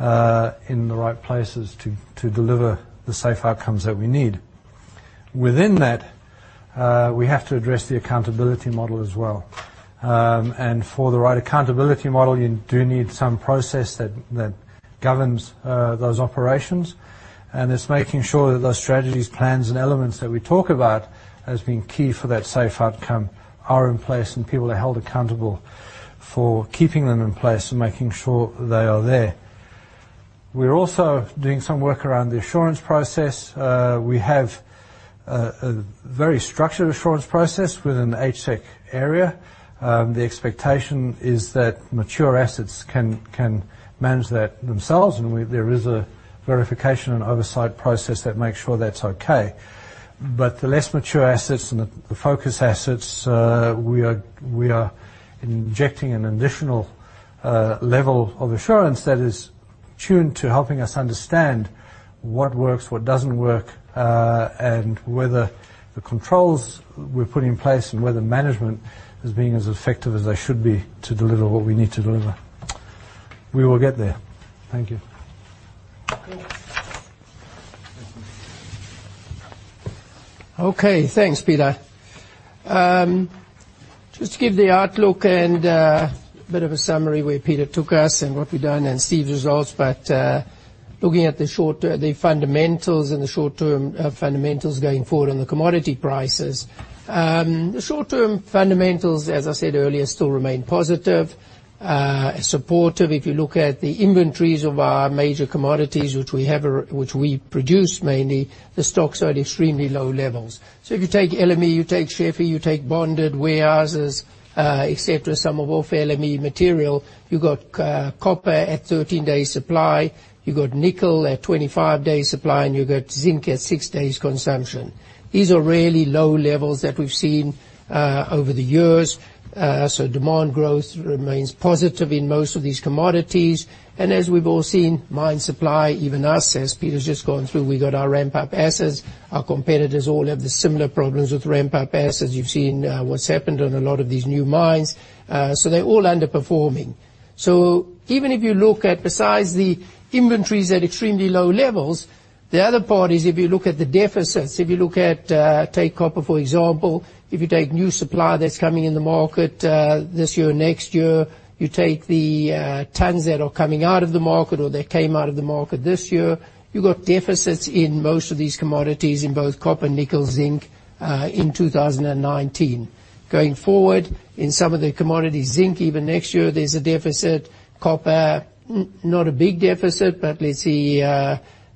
in the right places to deliver the safe outcomes that we need. Within that, we have to address the accountability model as well. For the right accountability model, you do need some process that governs those operations. It's making sure that those strategies, plans, and elements that we talk about as being key for that safe outcome are in place and people are held accountable for keeping them in place and making sure they are there. We're also doing some work around the assurance process. We have a very structured assurance process within the HSEC area. The expectation is that mature assets can manage that themselves, and there is a verification and oversight process that makes sure that's okay. The less mature assets and the focus assets, we are injecting an additional level of assurance that is tuned to helping us understand what works, what doesn't work, and whether the controls we're putting in place and whether management is being as effective as they should be to deliver what we need to deliver. We will get there. Thank you. Thanks, Peter. Just to give the outlook and a bit of a summary where Peter took us and what we've done and Steve's results, looking at the fundamentals and the short-term fundamentals going forward on the commodity prices. The short-term fundamentals, as I said earlier, still remain positive, supportive. If you look at the inventories of our major commodities which we produce mainly, the stocks are at extremely low levels. If you take LME, you take SHFE, you take bonded warehouses et cetera, sum of off-LME material, you got copper at 13 days supply, you got nickel at 25 days supply, and you got zinc at six days consumption. These are really low levels that we've seen over the years, demand growth remains positive in most of these commodities. As we've all seen, mine supply, even us, as Peter's just gone through, we got our ramp-up assets. Our competitors all have the similar problems with ramp-up assets. You've seen what's happened on a lot of these new mines. They're all underperforming. Even if you look at besides the inventories at extremely low levels, the other part is if you look at the deficits, if you look at, take copper, for example, if you take new supply that's coming in the market this year or next year, you take the tonnes that are coming out of the market or that came out of the market this year, you got deficits in most of these commodities in both copper, nickel, zinc, in 2019. Going forward, in some of the commodities, zinc, even next year, there's a deficit. Copper, not a big deficit, but let's see,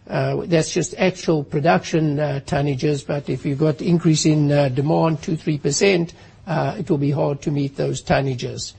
that's just actual production tonnages, but if you've got increase in demand 2%-3%, it will be hard to meet those tonnages.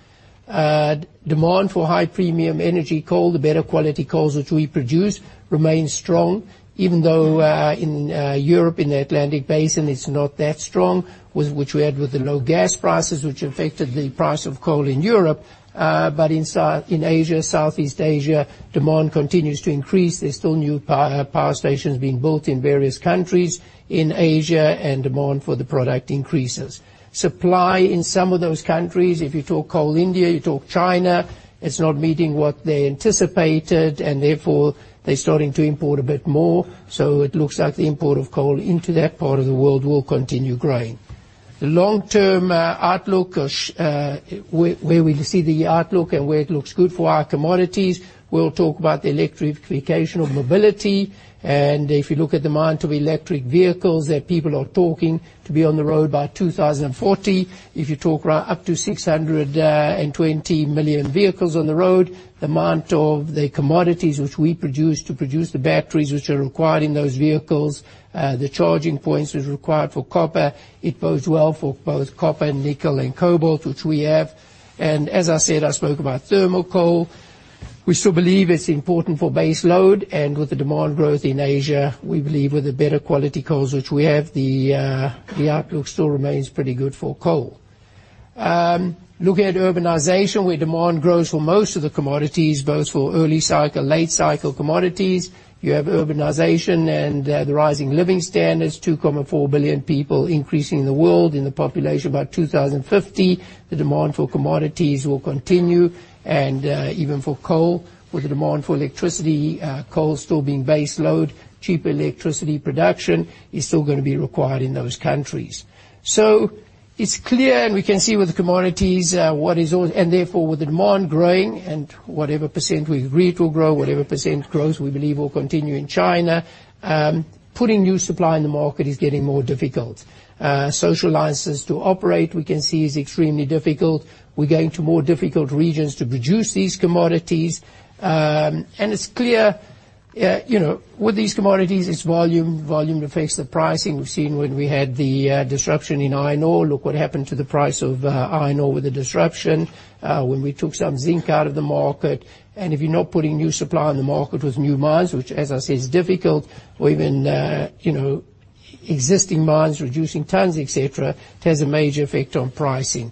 Demand for high-premium energy coal, the better quality coals which we produce remain strong even though in Europe, in the Atlantic Basin, it's not that strong, which we had with the low gas prices which affected the price of coal in Europe. In Asia, Southeast Asia, demand continues to increase. There's still new power stations being built in various countries in Asia. Demand for the product increases. Supply in some of those countries, if you talk Coal India, you talk China, it's not meeting what they anticipated. Therefore, they're starting to import a bit more. It looks like the import of coal into that part of the world will continue growing. The long-term outlook, where we see the outlook and where it looks good for our commodities, we will talk about the electrification of mobility. If you look at the amount of electric vehicles that people are talking to be on the road by 2040, if you talk up to 620 million vehicles on the road, the amount of the commodities which we produce to produce the batteries which are required in those vehicles, the charging points which are required for copper, it bodes well for both copper and nickel and cobalt, which we have. As I said, I spoke about thermal coal. We still believe it is important for base load and with the demand growth in Asia, we believe with the better quality coals which we have, the outlook still remains pretty good for coal. Looking at urbanization, where demand grows for most of the commodities, both for early cycle, late cycle commodities. You have urbanization and the rising living standards, 2.4 billion people increasing in the world in the population by 2050. The demand for commodities will continue and even for coal, with the demand for electricity, coal still being baseload, cheap electricity production is still gonna be required in those countries. It's clear, and we can see with the commodities, and therefore with the demand growing and whatever percent we agree it will grow, whatever percent growth we believe will continue in China, putting new supply in the market is getting more difficult. Social license to operate, we can see is extremely difficult. We're going to more difficult regions to produce these commodities. It's clear, with these commodities, it's volume. Volume affects the pricing. We've seen when we had the disruption in iron ore. Look what happened to the price of iron ore with the disruption, when we took some zinc out of the market. If you're not putting new supply in the market with new mines, which as I say, is difficult or even existing mines reducing tonnes, et cetera, it has a major effect on pricing.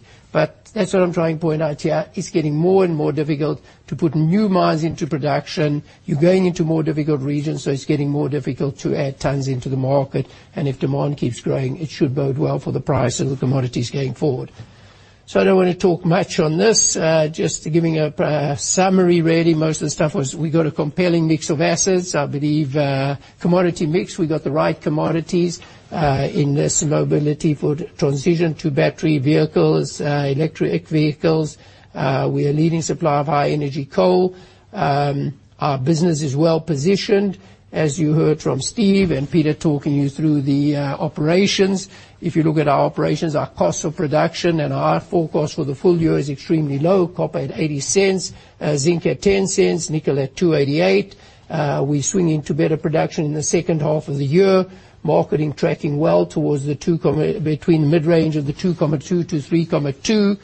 That's what I'm trying to point out here. It's getting more and more difficult to put new mines into production. You're going into more difficult regions, so it's getting more difficult to add tonnes into the market. If demand keeps growing, it should bode well for the price of the commodities going forward. I don't want to talk much on this, just giving a summary really. Most of the stuff was we got a compelling mix of assets. I believe commodity mix, we got the right commodities in this mobility for transition to battery vehicles, electric vehicles. We are a leading supplier of high energy coal. Our business is well-positioned. As you heard from Steve and Peter talking you through the operations, if you look at our operations, our cost of production and our forecast for the full year is extremely low. Copper at $0.80, zinc at $0.10, nickel at $2.88. We swing into better production in the second half of the year. Marketing tracking well towards between the mid-range of the $2.2-$3.2.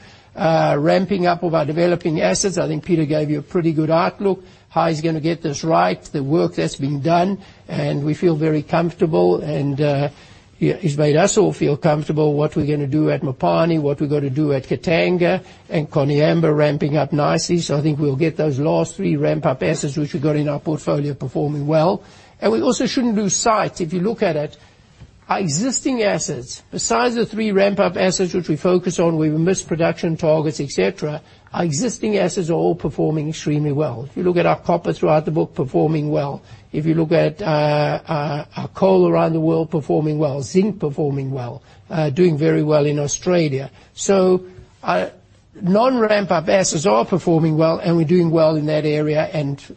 Ramping up of our developing assets, I think Peter gave you a pretty good outlook, how he's gonna get this right, the work that's been done, and we feel very comfortable and he's made us all feel comfortable what we're gonna do at Mopani, what we're gonna do at Katanga, and Koniambo ramping up nicely. I think we'll get those last three ramp-up assets which we got in our portfolio performing well. We also shouldn't lose sight, if you look at our existing assets, besides the three ramp-up assets which we focus on, we've missed production targets, et cetera, our existing assets are all performing extremely well. If you look at our copper throughout the book, performing well. If you look at our coal around the world, performing well. Zinc performing well, doing very well in Australia. Our non-ramp-up assets are performing well, we're doing well in that area,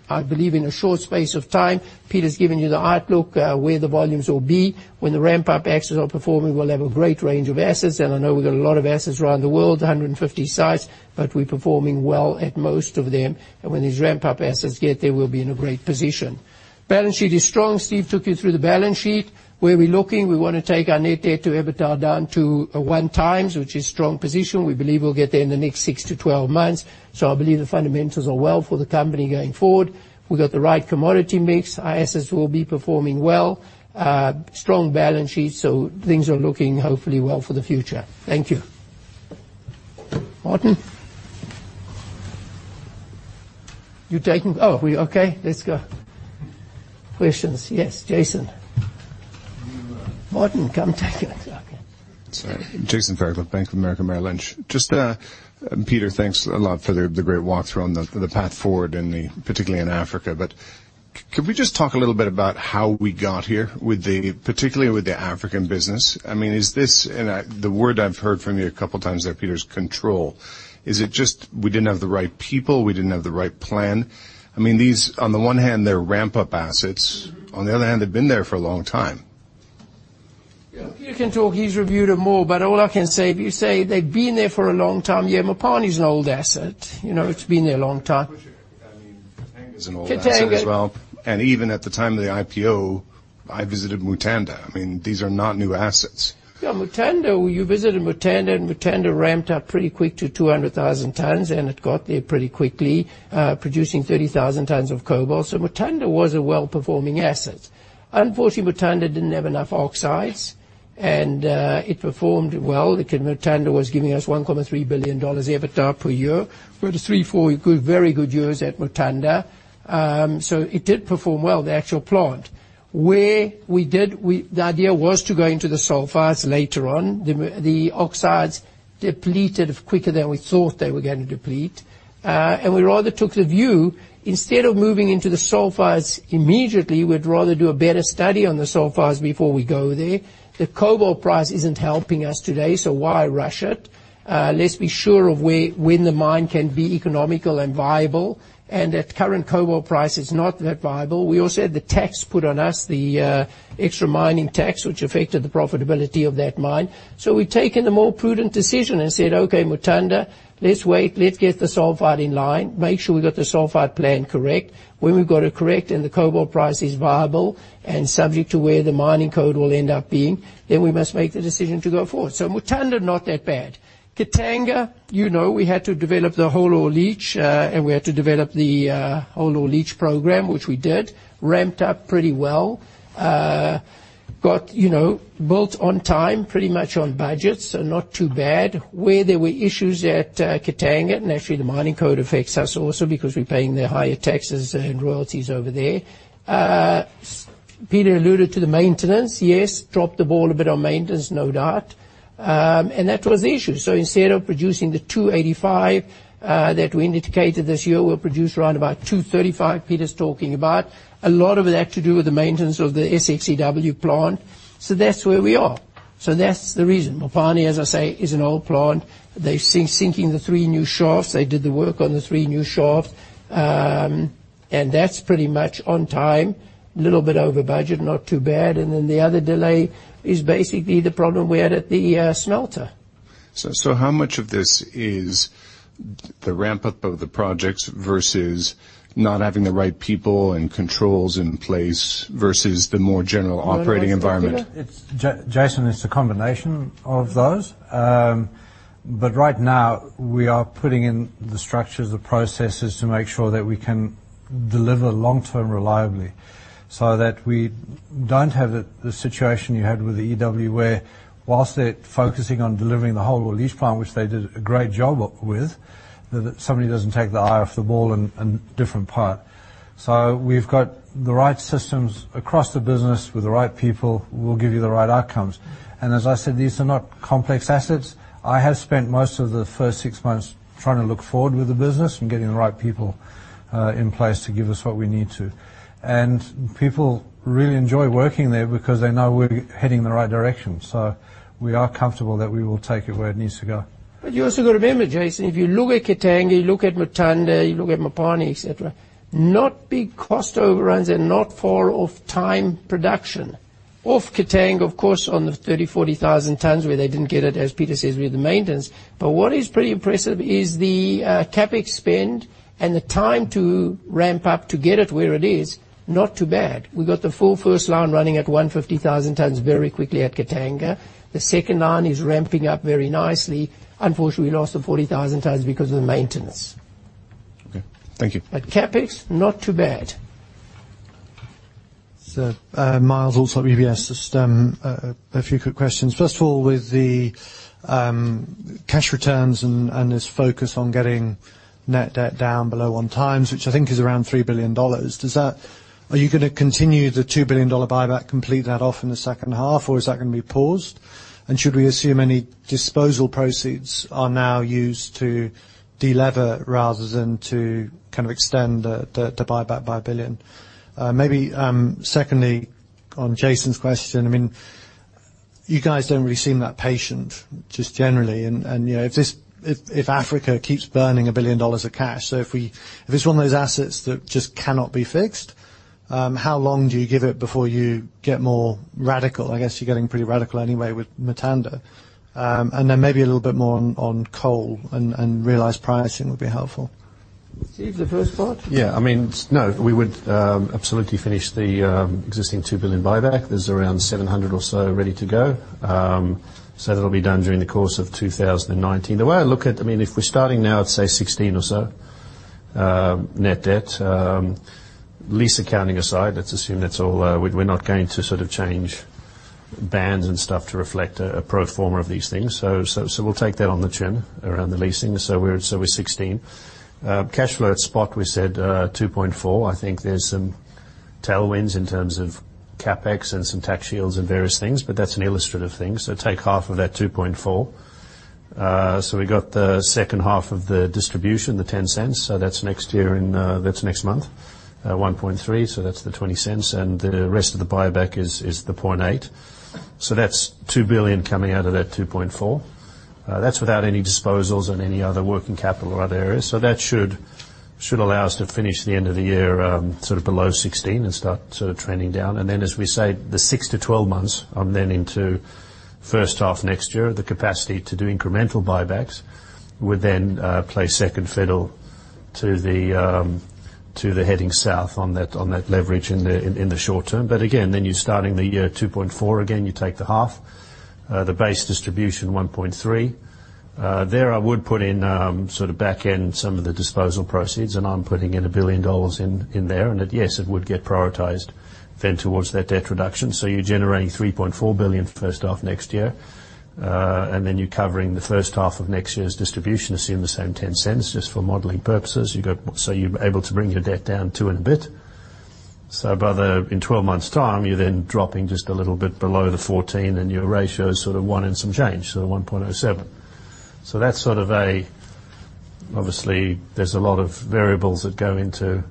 I believe in a short space of time, Peter's given you the outlook, where the volumes will be. When the ramp-up assets are performing, we'll have a great range of assets, I know we've got a lot of assets around the world, 150 sites, but we're performing well at most of them. When these ramp-up assets get there, we'll be in a great position. Balance sheet is strong. Steve took you through the balance sheet. Where we're looking, we want to take our net debt to EBITDA down to a 1x, which is strong position. We believe we'll get there in the next six months-12 months. I believe the fundamentals are well for the company going forward. We've got the right commodity mix. Our assets will be performing well. Strong balance sheet, things are looking hopefully well for the future. Thank you. Martin? You taking? Okay, let's go. Questions, yes, Jason. Martin, come take it. Okay. Sorry. Jason Fairclough, Bank of America, Merrill Lynch. Just, Peter, thanks a lot for the great walkthrough on the path forward in the, particularly in Africa. Could we just talk a little bit about how we got here with the, particularly with the African business? I mean, is this, The word I've heard from you a couple times there, Peter, is control. Is it just we didn't have the right people, we didn't have the right plan? I mean, these, on the one hand, they're ramp-up assets. On the other hand, they've been there for a long time. Yeah, Peter can talk. He's reviewed them all. All I can say, but you say they've been there for a long time, yeah, Mopani's an old asset. You know, it's been there a long time. I mean, Katanga's an old asset as well. Katanga- Even at the time of the IPO, I visited Mutanda. I mean, these are not new assets. Yeah, Mutanda, well, you visited Mutanda, and Mutanda ramped up pretty quick to 200,000 tonnes, and it got there pretty quickly, producing 30,000 tonnes of cobalt. Mutanda was a well-performing asset. Unfortunately, Mutanda didn't have enough oxides, and it performed well because Mutanda was giving us $1.3 billion EBITDA per year. We had a three years, four good, very good years at Mutanda. It did perform well, the actual plant. The idea was to go into the sulfides later on. The oxides depleted quicker than we thought they were going to deplete. We rather took the view, instead of moving into the sulfides immediately, we'd rather do a better study on the sulfides before we go there. The cobalt price isn't helping us today, why rush it? Let's be sure of where, when the mine can be economical and viable. At current cobalt price, it's not that viable. We also had the tax put on us, the extra mining tax, which affected the profitability of that mine. We've taken the more prudent decision and said, "Okay, Mutanda, let's wait. Let's get the sulfide in line. Make sure we've got the sulfide plan correct." When we've got it correct, and the cobalt price is viable and subject to where the Mining Code will end up being, then we must make the decision to go forward. Mutanda, not that bad. Katanga, you know, we had to develop the whole ore leach, and we had to develop the whole ore leach program, which we did, ramped up pretty well. Got, you know, built on time, pretty much on budgets, not too bad. There were issues at Katanga. Actually, the Mining Code affects us also because we're paying their higher taxes and royalties over there. Peter alluded to the maintenance, yes, dropped the ball a bit on maintenance, no doubt. That was the issue. Instead of producing the 285,000 tonnes that we indicated this year, we'll produce around about 235,000 tonnes Peter's talking about. A lot of that to do with the maintenance of the SX-EW plant. That's where we are. That's the reason. Mopani, as I say, is an old plant. They've sinking the three new shafts. They did the work on the three new shafts. That's pretty much on time. Little bit over budget, not too bad. The other delay is basically the problem we had at the smelter. How much of this is the ramp-up of the projects versus not having the right people and controls in place versus the more general operating environment? You want to answer that, Peter? It's, Jason, it's a combination of those. Right now, we are putting in the structures, the processes to make sure that we can deliver long-term reliably so that we don't have the situation you had with the SX-EW where whilst they're focusing on delivering the whole ore leach plant, which they did a great job with, somebody doesn't take the eye off the ball in a different part. We've got the right systems across the business with the right people, we'll give you the right outcomes. As I said, these are not complex assets. I have spent most of the first six months trying to look forward with the business and getting the right people in place to give us what we need to. People really enjoy working there because they know we're heading in the right direction. We are comfortable that we will take it where it needs to go. You also got to remember, Jason, if you look at Katanga, you look at Mutanda, you look at Mopani, et cetera, not big cost overruns and not far off time production. Off Katanga, of course, on the 30,000 tonnes 40,000 tonnes where they didn't get it, as Peter says, with the maintenance. What is pretty impressive is the CapEx spend and the time to ramp up to get it where it is, not too bad. We got the full first line running at 150,000 tonnes very quickly at Katanga. The second line is ramping up very nicely. Unfortunately, we lost the 40,000 tonnes because of the maintenance. Okay. Thank you. CapEx, not too bad. Sir, Myles Allsop UBS. A few quick questions. First of all, with the cash returns and this focus on getting net debt down below 1x, which I think is around $3 billion, are you going to continue the $2 billion buyback, complete that off in the second half, or is that going to be paused? Should we assume any disposal proceeds are now used to delever rather than to extend the buyback by $1 billion? Maybe secondly, on Jason's question, you guys don't really seem that patient, just generally. If Africa keeps burning $1 billion of cash, if it's one of those assets that just cannot be fixed, how long do you give it before you get more radical? I guess you're getting pretty radical anyway with Mutanda. Maybe a little bit more on coal and realized pricing would be helpful. Steve, the first part? We would absolutely finish the existing $2 billion buyback. There's around $700 million or so ready to go. That'll be done during the course of 2019. The way I look at it, if we're starting now at, say, $16 billion or so net debt, lease accounting aside, let's assume that we're not going to change bands and stuff to reflect a pro forma of these things. We'll take that on the chin around the leasing. We're at $16 billion. Cash flow at spot, we said $2.4 billion. I think there's some tailwinds in terms of CapEx and some tax shields and various things, but that's an illustrative thing. Take half of that $2.4 billion. We got the second half of the distribution, the $0.10. That's next month, $1.3 billion, so that's the $0.20. The rest of the buyback is the $0.8. That's $2 billion coming out of that $2.4 billion. That's without any disposals and any other working capital or other areas. That should allow us to finish the end of the year below 16 and start trending down. Then, as we say, the six months-12 months, I'm then into first half next year, the capacity to do incremental buybacks would then play second fiddle to the heading south on that leverage in the short term. Again, then you're starting the year $2.4 billion again, you take the half. The base distribution, $1.3 billion. There I would put in backend some of the disposal proceeds, and I'm putting in $1 billion in there. That, yes, it would get prioritized then towards that debt reduction. You're generating $3.4 billion first half next year, and then you're covering the first half of next year's distribution, assume the same $0.10 just for modeling purposes. You're able to bring your debt down two and a bit. In 12 months' time, you're then dropping just a little bit below the 14 and your ratio is one and some change, so 1.07. Obviously, there's a lot of variables that go into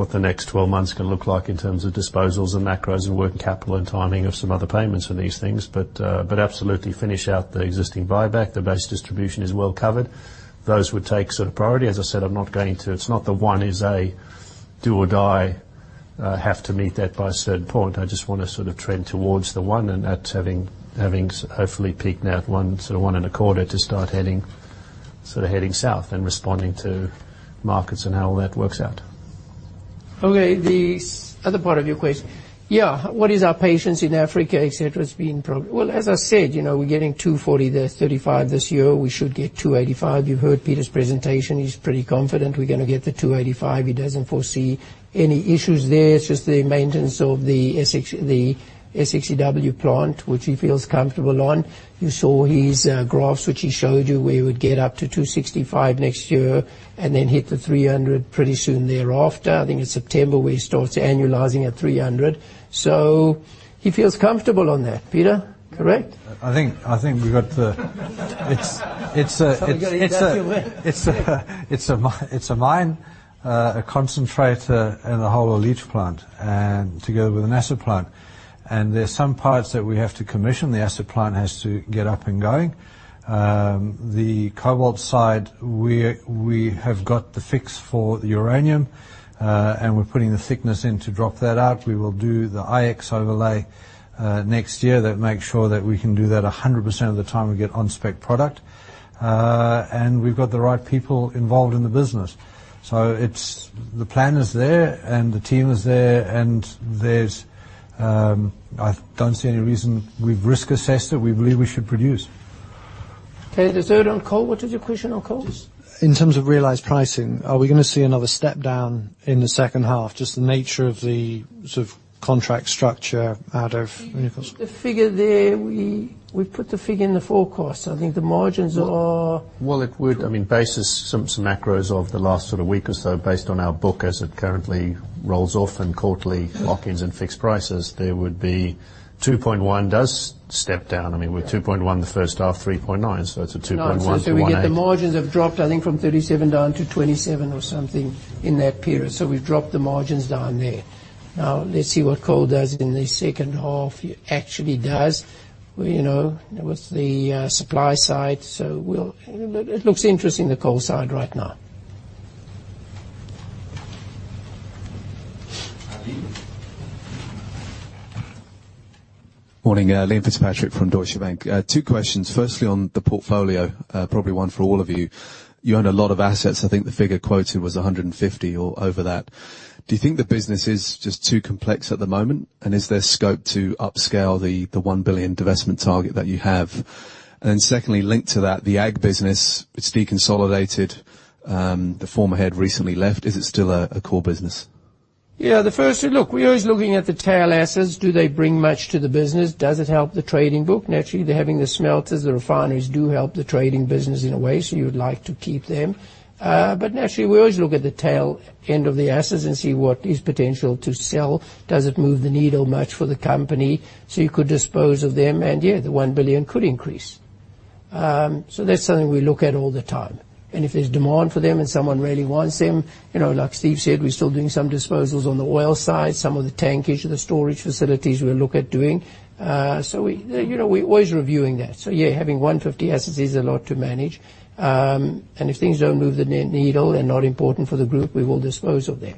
what the next 12 months can look like in terms of disposals and macros and working capital and timing of some other payments and these things. Absolutely finish out the existing buyback. The base distribution is well covered. Those would take priority. As I said, it's not the one is a do or die, have to meet that by a certain point. I just want to trend towards the one and that's having hopefully peaked now at one and a quarter to start heading south and responding to markets and how all that works out. Okay, the other part of your question. What is our patience in Africa, et cetera, has been progress. Well, as I said, we're getting 240,000 tonnes there, 35,000 tonnes this year. We should get 285,000 tonnes. You've heard Peter's presentation. He's pretty confident we're going to get the 285,000 tonnes. He doesn't foresee any issues there. It's just the maintenance of the SX-EW plant, which he feels comfortable on. You saw his graphs, which he showed you, where you would get up to 265,000 tonnes next year and then hit the 300 pretty soon thereafter. I think it's September where he starts annualizing at 300,000 tonnes. He feels comfortable on that. Peter, correct? I think we've got the- Somebody got to answer. It's a mine, a concentrator, and a whole leach plant, and together with an acid plant. There's some parts that we have to commission. The acid plant has to get up and going. The cobalt side, we have got the fix for the uranium, and we're putting the thickness in to drop that out. We will do the IX overlay next year that makes sure that we can do that 100% of the time and get on-spec product. We've got the right people involved in the business. The plan is there and the team is there, and I don't see any reason. We've risk assessed it. We believe we should produce. Okay. The third on coal, what is your question on coal? In terms of realized pricing, are we going to see another step down in the second half? Just the nature of the contract structure out of- The figure there, we put the figure in the forecast. I think the margins are- Well, it would. Basis some macros over the last week or so based on our book as it currently rolls off and quarterly lock-ins and fixed prices, there would be $2.1 does step down. We're $2.1 the first half, $3.9. It's a $2.1-$1.8. We get the margins have dropped, I think from 37% down to 27% or something in that period. We've dropped the margins down there. Now let's see what coal does in the second half. It actually does with the supply side. It looks interesting, the coal side right now. Morning. Liam Fitzpatrick from Deutsche Bank. Two questions. Firstly, on the portfolio, probably one for all of you. You own a lot of assets. I think the figure quoted was 150 or over that. Do you think the business is just too complex at the moment? Is there scope to upscale the $1 billion divestment target that you have? Then secondly, linked to that, the ag business, it's deconsolidated. The former head recently left. Is it still a core business? The first thing, look, we're always looking at the tail assets. Do they bring much to the business? Does it help the trading book? They're having the smelters, the refineries do help the trading business in a way, so you would like to keep them. We always look at the tail end of the assets and see what is potential to sell. Does it move the needle much for the company? You could dispose of them and the $1 billion could increase. That's something we look at all the time. If there's demand for them and someone really wants them, like Steve said, we're still doing some disposals on the oil side, some of the tankage, the storage facilities we'll look at doing. We're always reviewing that. Having 150 assets is a lot to manage. If things don't move the needle, they're not important for the group, we will dispose of them.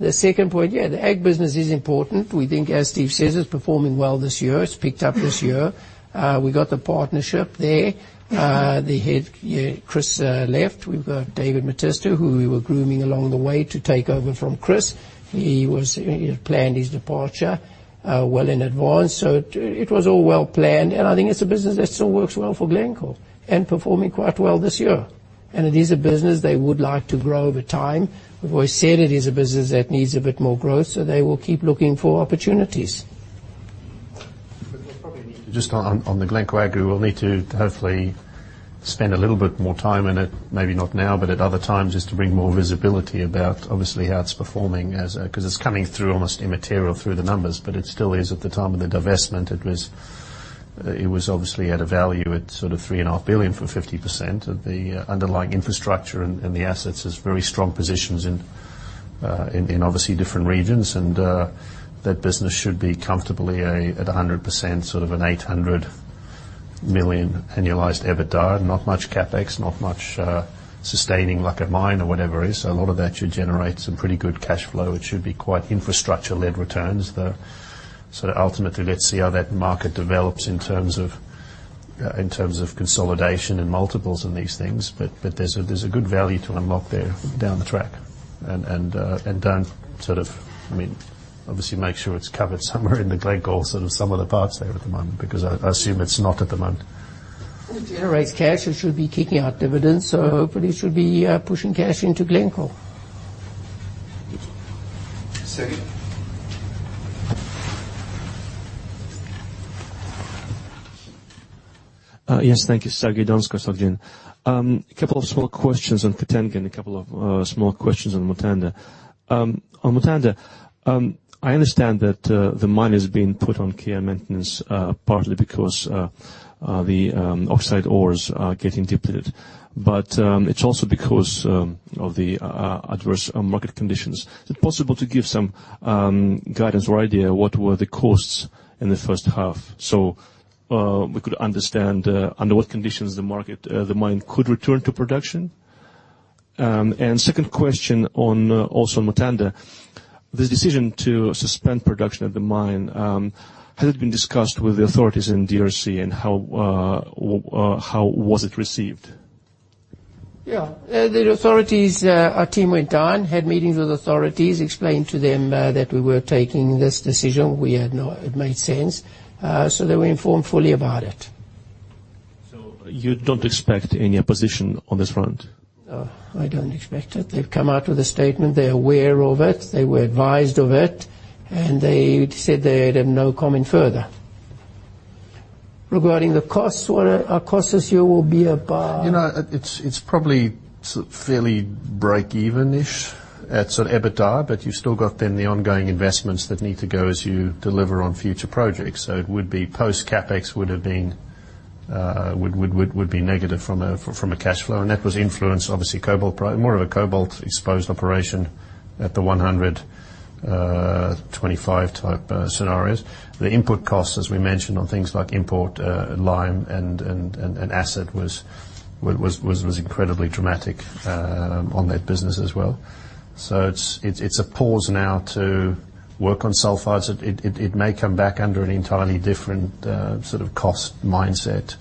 The second point, yeah, the ag business is important. We think, as Steve says, it's performing well this year. It's picked up this year. We got the partnership there. Chris left. We've got David Mattiske, who we were grooming along the way to take over from Chris. He had planned his departure well in advance. It was all well planned, and I think it's a business that still works well for Glencore and performing quite well this year. It is a business they would like to grow over time. We've always said it is a business that needs a bit more growth, so they will keep looking for opportunities. We'll probably need to, just on the Glencore Agri, we'll need to hopefully spend a little bit more time in it, maybe not now, but at other times, just to bring more visibility about obviously how it's performing as it's coming through almost immaterial through the numbers, but it still is at the time of the divestment, it was obviously at a value at sort of $3.5 billion for 50% of the underlying infrastructure and the assets. It's very strong positions in obviously different regions. That business should be comfortably at 100%, sort of an $800 million annualized EBITDA, not much CapEx, not much sustaining like a mine or whatever it is. A lot of that should generate some pretty good cash flow. It should be quite infrastructure-led returns, though. Ultimately, let's see how that market develops in terms of consolidation and multiples and these things, but there's a good value to unlock there down the track. Don't sort of, obviously make sure it's covered somewhere in the Glencore sort of some of the parts there at the moment, because I assume it's not at the moment. It generates cash. It should be kicking out dividends, so hopefully should be pushing cash into Glencore. Sergey. Yes. Thank you, Sergey Donskoy, Société Générale. Couple of small questions on Katanga and a couple of small questions on Mutanda. On Mutanda, I understand that the mine is being put on care maintenance partly because the oxide ores are getting depleted, but it is also because of the adverse market conditions. Is it possible to give some guidance or idea what were the costs in the first half so we could understand under what conditions the mine could return to production? Second question also on Mutanda, this decision to suspend production at the mine, has it been discussed with the authorities in DRC and how was it received? Yeah. The authorities, our team went down, had meetings with authorities, explained to them that we were taking this decision. It made sense. They were informed fully about it. You don't expect any opposition on this front? No, I don't expect it. They've come out with a statement. They're aware of it. They were advised of it, and they said they had no comment further. Regarding the costs, our costs this year will be about. It's probably fairly breakeven-ish at sort of EBITDA. You've still got then the ongoing investments that need to go as you deliver on future projects. It would be post CapEx would be negative from a cash flow, and that was influenced obviously cobalt, more of a cobalt exposed operation at the 125 type scenarios. The input costs, as we mentioned on things like import, lime, and acid was incredibly dramatic on that business as well. It's a pause now to work on sulfides. It may come back under an entirely different sort of cost mindset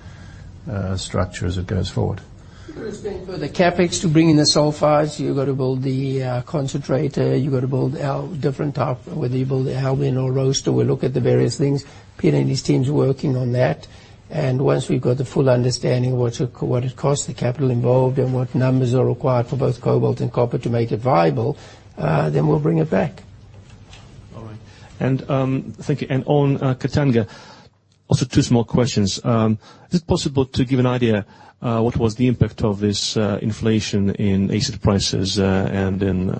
structure as it goes forward. It could have been for the CapEx to bring in the sulfides. You've got to build the concentrator. You've got to build different type, whether you build the Albion or roaster. We look at the various things. Peter and his team's working on that. Once we've got the full understanding of what it costs, the capital involved, and what numbers are required for both cobalt and copper to make it viable, then we'll bring it back. All right. Thank you. On Katanga, also two small questions. Is it possible to give an idea what was the impact of this inflation in acid prices and in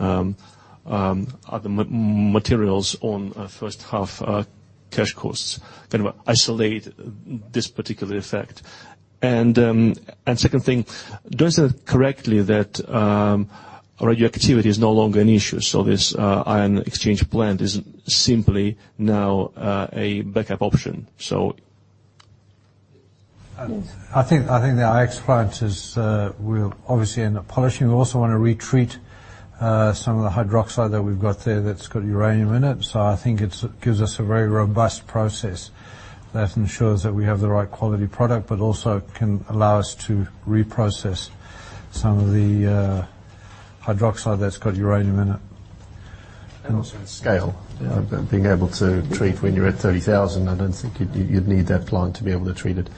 other materials on first half cash costs, kind of isolate this particular effect? Second thing, do I understand correctly that radioactivity is no longer an issue, so this ion exchange plant is simply now a backup option? Yes. I think the IX plant, we're obviously end up polishing. We also want to retreat some of the hydroxide that we've got there that's got uranium in it. I think it gives us a very robust process that ensures that we have the right quality product, but also can allow us to reprocess some of the hydroxide that's got uranium in it. Also in scale, being able to treat when you're at 30,000, I don't think you'd need that plant to be able to treat it.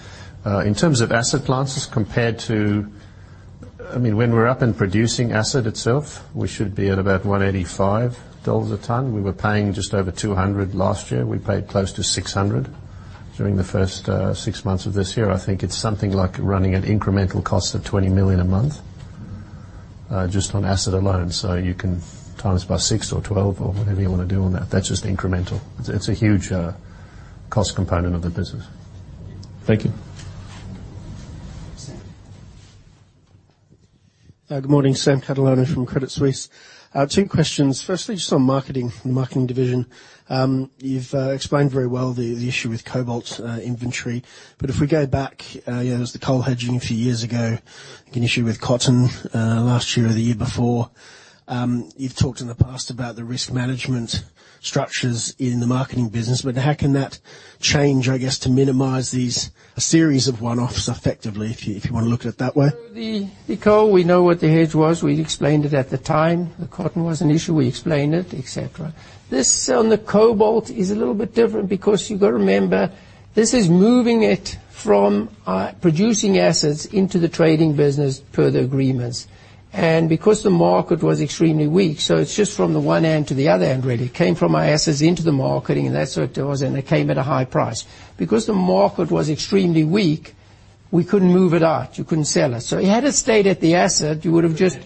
In terms of acid plants, as compared to, when we're up in producing acid itself, we should be at about $185 a ton. We were paying just over $200 last year. We paid close to $600 during the first six months of this year. I think it's something like running an incremental cost of $20 million a month just on acid alone. You can times by six or 12 or whatever you want to do on that. That's just incremental. It's a huge cost component of the business. Thank you. Good morning. Sam Catalano from Credit Suisse. Two questions. Firstly, just on marketing, the marketing division. You've explained very well the issue with cobalt inventory. If we go back, there was the coal hedging a few years ago, an issue with cotton last year or the year before. You've talked in the past about the risk management structures in the marketing business, how can that change, I guess, to minimize these series of one-offs effectively, if you want to look at it that way? The coal, we know what the hedge was. We explained it at the time. The cotton was an issue, we explained it, et cetera. This on the cobalt is a little bit different because you've got to remember, this is moving it from producing assets into the trading business per the agreements. Because the market was extremely weak, it's just from the one end to the other end, really. Came from our assets into the marketing, and that's what it was, and it came at a high price. Because the market was extremely weak, we couldn't move it out. You couldn't sell it. It had stayed at the asset, you would have just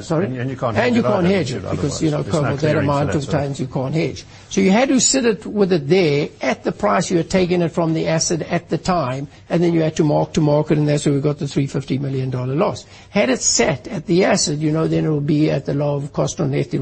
Sorry? You can't hedge it either. You can't hedge it because cobalt, that amount of tonnes, you can't hedge. You had to sit with it there at the price you had taken it from the asset at the time, and then you had to mark-to-market, and that's where we got the $350 million loss. Had it sat at the asset, then it would be at the lower cost on net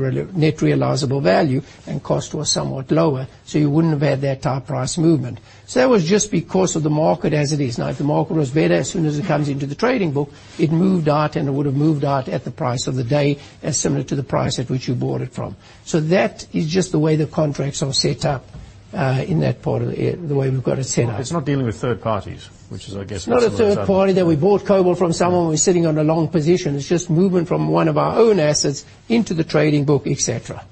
realizable value, and cost was somewhat lower, so you wouldn't have had that type of price movement. That was just because of the market as it is. If the market was better, as soon as it comes into the trading book, it moved out and it would have moved out at the price of the day as similar to the price at which you bought it from. That is just the way the contracts are set up in that part of the way we've got it set up. It's not dealing with third parties, which is I guess what. It's not a third party that we bought cobalt from someone who was sitting on a long position. It's just movement from one of our own assets into the trading book, et cetera.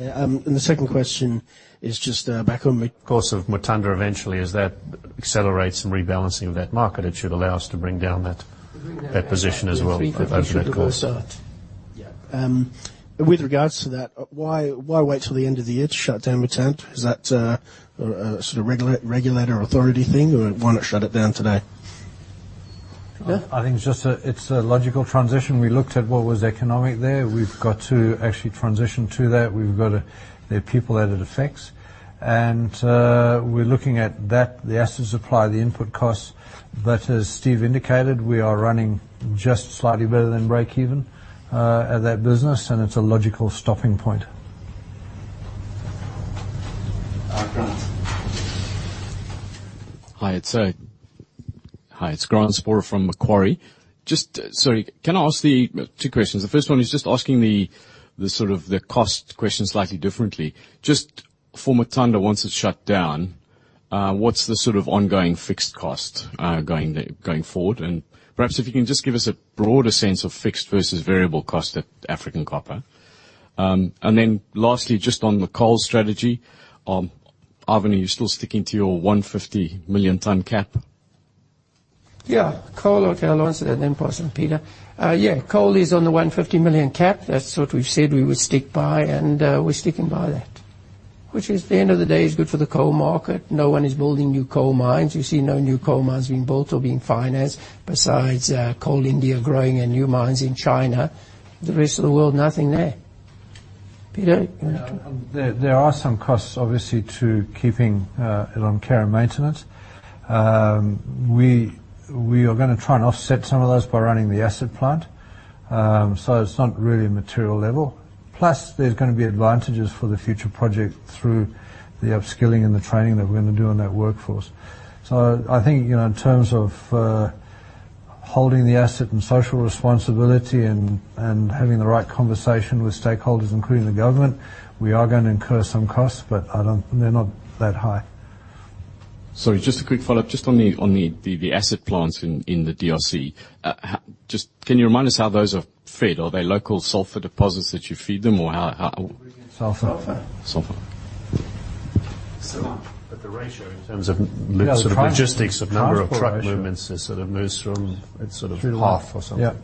Okay. The second question is just back on- Of course, of Mutanda eventually, as that accelerates and rebalancing of that market, it should allow us to bring down that position as well. We think we should go site. Yeah. With regards to that, why wait till the end of the year to shut down Mutanda? Is that a sort of regulator authority thing? Why not shut it down today? Yeah. I think it's a logical transition. We looked at what was economic there. We've got to actually transition to that. We've got people that it affects. We're looking at that, the acid supply, the input costs. As Steve indicated, we are running just slightly better than breakeven at that business, and it's a logical stopping point. Grant. Hi, it's Grant Sporre from Macquarie. Sorry, can I ask two questions? The first one is just asking the sort of the cost question slightly differently. Just for Mutanda, once it's shut down, what's the sort of ongoing fixed cost going forward? Perhaps if you can just give us a broader sense of fixed versus variable cost at African Copper. Lastly, just on the coal strategy, Ivan, are you still sticking to your 150 million ton cap? Coal, okay, I'll answer that then pass on to Peter. Coal is on the $150 million cap. That's what we've said we would stick by, and we're sticking by that. Which at the end of the day is good for the coal market. No one is building new coal mines. You see no new coal mines being built or being financed besides Coal India growing and new mines in China. The rest of the world, nothing there. Peter? There are some costs, obviously, to keeping it on care and maintenance. We are going to try and offset some of those by running the acid plant. It's not really a material level. Plus there's going to be advantages for the future project through the upskilling and the training that we're going to do on that workforce. I think, in terms of holding the asset and social responsibility and having the right conversation with stakeholders, including the government, we are going to incur some costs, but they're not that high. Sorry, just a quick follow-up. Just on the acid plants in the DRC. Just can you remind us how those are fed? Are they local sulfur deposits that you feed them? Or how- Sulfur. Sulfur. The ratio in terms of the sort of logistics of number of truck movements is sort of moves from, it's sort of half or something. Yeah.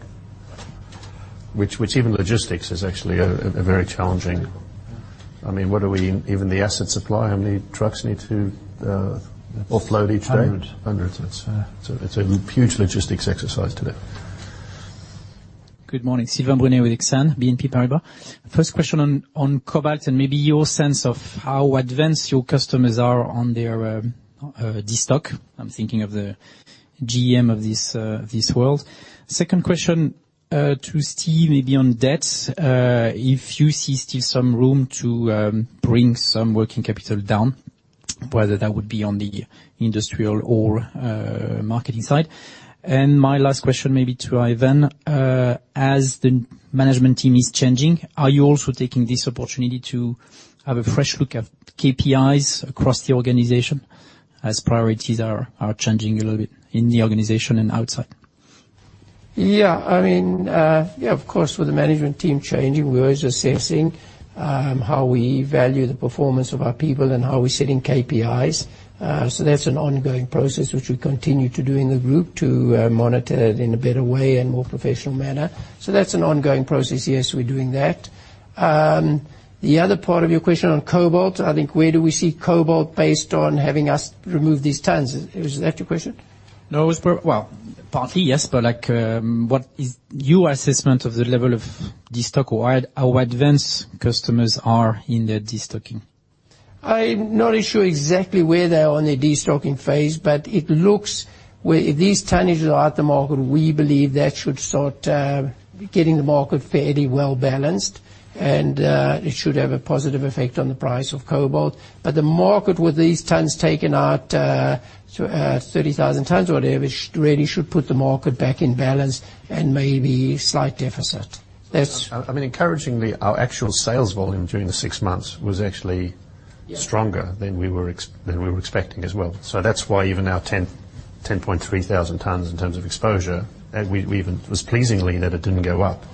Even logistics is actually a very challenging, I mean, even the acid supply, how many trucks need to offload each day? Hundreds. Hundreds. It's a huge logistics exercise to do. Good morning. Sylvain Brunet with Exane BNP Paribas. First question on cobalt and maybe your sense of how advanced your customers are on their destock. I'm thinking of the OEMs of this world. Second question to Steve, maybe on debt. If you see still some room to bring some working capital down, whether that would be on the industrial or marketing side. My last question may be to Ivan. As the management team is changing, are you also taking this opportunity to have a fresh look at KPIs across the organization as priorities are changing a little bit in the organization and outside? Yeah, of course, with the management team changing, we're always assessing how we value the performance of our people and how we're setting KPIs. That's an ongoing process which we continue to do in the group to monitor it in a better way and more professional manner. That's an ongoing process. Yes, we're doing that. The other part of your question on cobalt, I think, where do we see cobalt based on having us remove these tonnes? Is that your question? No, Partly, yes, what is your assessment of the level of destock or how advanced customers are in their destocking? I'm not sure exactly where they are on their destocking phase, but it looks where these tonnages are at the market, we believe that should start getting the market fairly well-balanced. It should have a positive effect on the price of cobalt. The market with these tonnes taken out, 30,000 tonnes or whatever, really should put the market back in balance and maybe slight deficit. Encouragingly, our actual sales volume during the six months was actually stronger than we were expecting as well. That's why even our 10,300 tonnes in terms of exposure, it was pleasingly that it didn't go up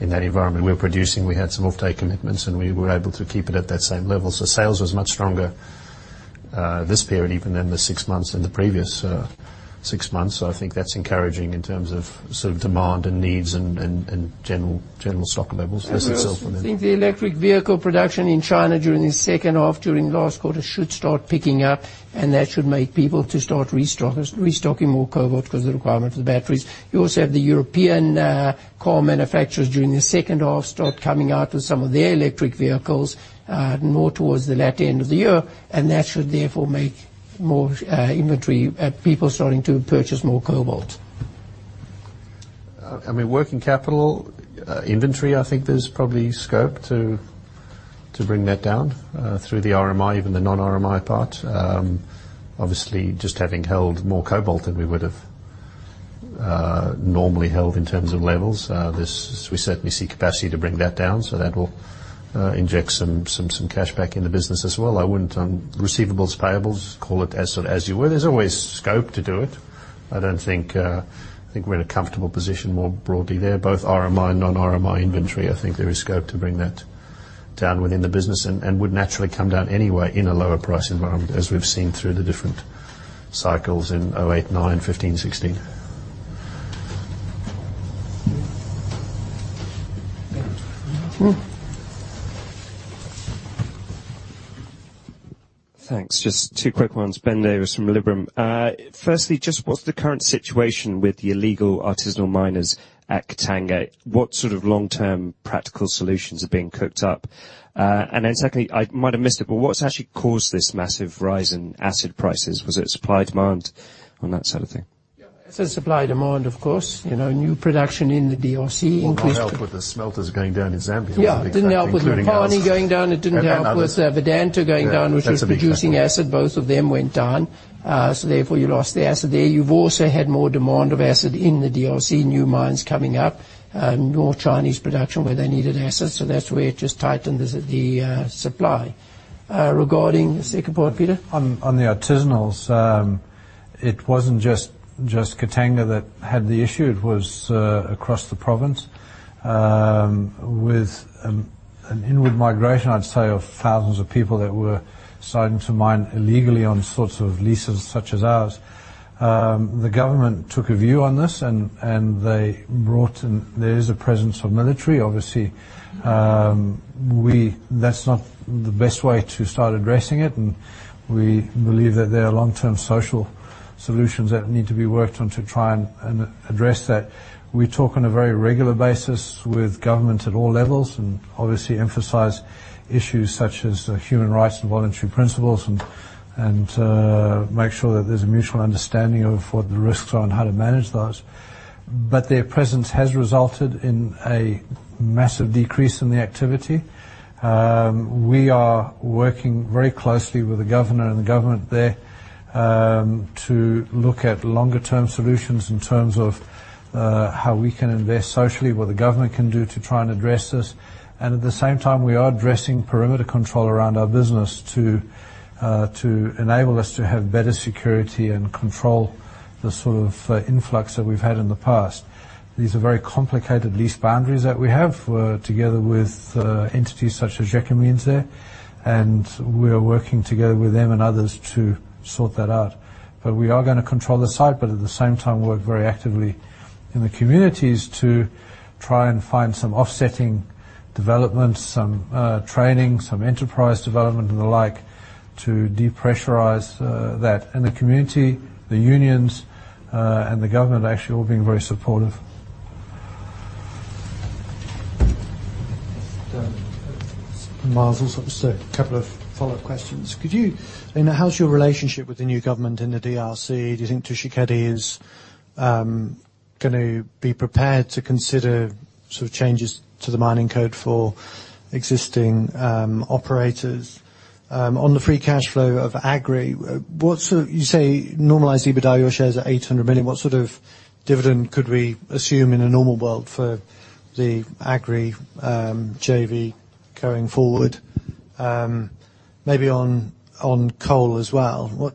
in that environment. We were producing, we had some offtake commitments, and we were able to keep it at that same level. Sales was much stronger this period even than the six months in the previous six months. I think that's encouraging in terms of demand and needs and general stock levels as itself. We also think the electric vehicle production in China during the second half during last quarter should start picking up, and that should make people to start restocking more cobalt because of the requirement of the batteries. You also have the European car manufacturers during the second half start coming out with some of their electric vehicles, more towards the latter end of the year, and that should therefore make more inventory, people starting to purchase more cobalt. Working capital, inventory, I think there's probably scope to bring that down, through the RMI, even the non-RMI part. Obviously, just having held more cobalt than we would have normally held in terms of levels, we certainly see capacity to bring that down. That will inject some cash back in the business as well. I wouldn't on receivables, payables, call it as you were. There's always scope to do it. I think we're in a comfortable position more broadly there, both RMI and non-RMI inventory. I think there is scope to bring that down within the business and would naturally come down anyway in a lower price environment, as we've seen through the different cycles in 2008, 2009, 2015, 2016. Yeah. Thanks. Just two quick ones. Ben Davis from Liberum. Firstly, just what's the current situation with the illegal artisanal miners at Katanga? What sort of long-term practical solutions are being cooked up? Secondly, I might have missed it, but what's actually caused this massive rise in acid prices? Was it supply, demand on that side of thing? Yeah. It's supply, demand, of course. New production in the DRC increased- Well, not helped with the smelters going down in Zambia was a big factor, including ours. Yeah. Didn't help with Mopani going down. Others. with Vedanta going down, which was producing acid. Both of them went down. Therefore, you lost the acid there. You've also had more demand of acid in the DRC, new mines coming up. More Chinese production where they needed acid, that's where it just tightened the supply. Regarding the second part, Peter? On the artisanals, it wasn't just Katanga that had the issue. It was across the province, with an inward migration, I'd say, of thousands of people that were starting to mine illegally on sorts of leases such as ours. The government took a view on this. There is a presence of military. Obviously, that's not the best way to start addressing it, and we believe that there are long-term social solutions that need to be worked on to try and address that. We talk on a very regular basis with government at all levels and obviously emphasize issues such as human rights and voluntary principles and make sure that there's a mutual understanding of what the risks are and how to manage those. Their presence has resulted in a massive decrease in the activity. We are working very closely with the governor and the government there to look at longer term solutions in terms of how we can invest socially, what the government can do to try and address this. At the same time, we are addressing perimeter control around our business to enable us to have better security and control the sort of influx that we've had in the past. These are very complicated lease boundaries that we have, together with entities such as Gécamines in there, and we are working together with them and others to sort that out. We are going to control the site, but at the same time, work very actively in the communities to try and find some offsetting development, some training, some enterprise development and the like to depressurize that. The community, the unions, and the government actually all being very supportive. Myles, just a couple of follow-up questions. How is your relationship with the new government in the DRC? Do you think Tshisekedi is going to be prepared to consider changes to the Mining Code for existing operators? On the free cash flow of Agri, you say normalized EBITDA, your share is at $800 million. What sort of dividend could we assume in a normal world for the Agri JV going forward? Maybe on coal as well.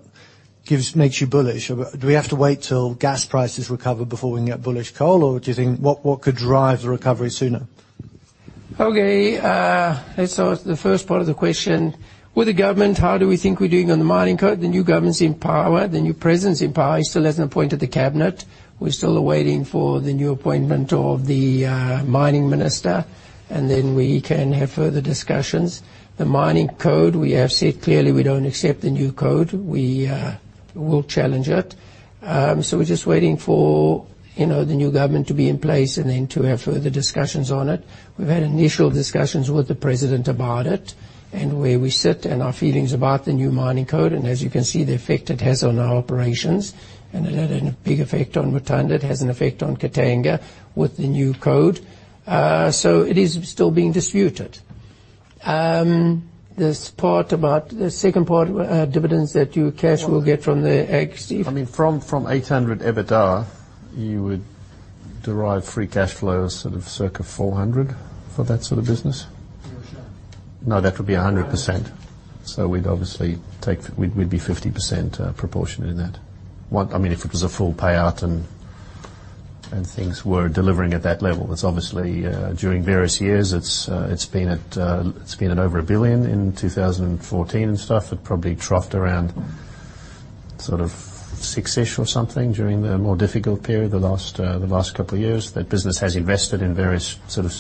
Makes you bullish. Do we have to wait till gas prices recover before we can get bullish coal? What could drive the recovery sooner? Okay. Let's start with the first part of the question. With the government, how do we think we're doing on the Mining Code? The new government's in power, the new president's in power. He still hasn't appointed the cabinet. We're still waiting for the new appointment of the mining minister, and then we can have further discussions. The Mining Code, we have said clearly we don't accept the new code. We will challenge it. We're just waiting for the new government to be in place and then to have further discussions on it. We've had initial discussions with the president about it and where we sit and our feelings about the new Mining Code, and as you can see, the effect it has on our operations. It had a big effect on Mutanda. It has an effect on Katanga with the new code. It is still being disputed, this part about, the second part, dividends that you, cash will get from the Ag. I mean, from $800 EBITDA, you would derive free cash flows sort of circa $400 for that sort of business? For sure. No, that would be 100%. We'd obviously be 50% proportion in that. I mean, if it was a full payout and things were delivering at that level. Obviously, during various years, it's been at over $1 billion in 2014 and stuff. It probably troughed around sort of six-ish or something during the more difficult period the last couple of years. That business has invested in various sort of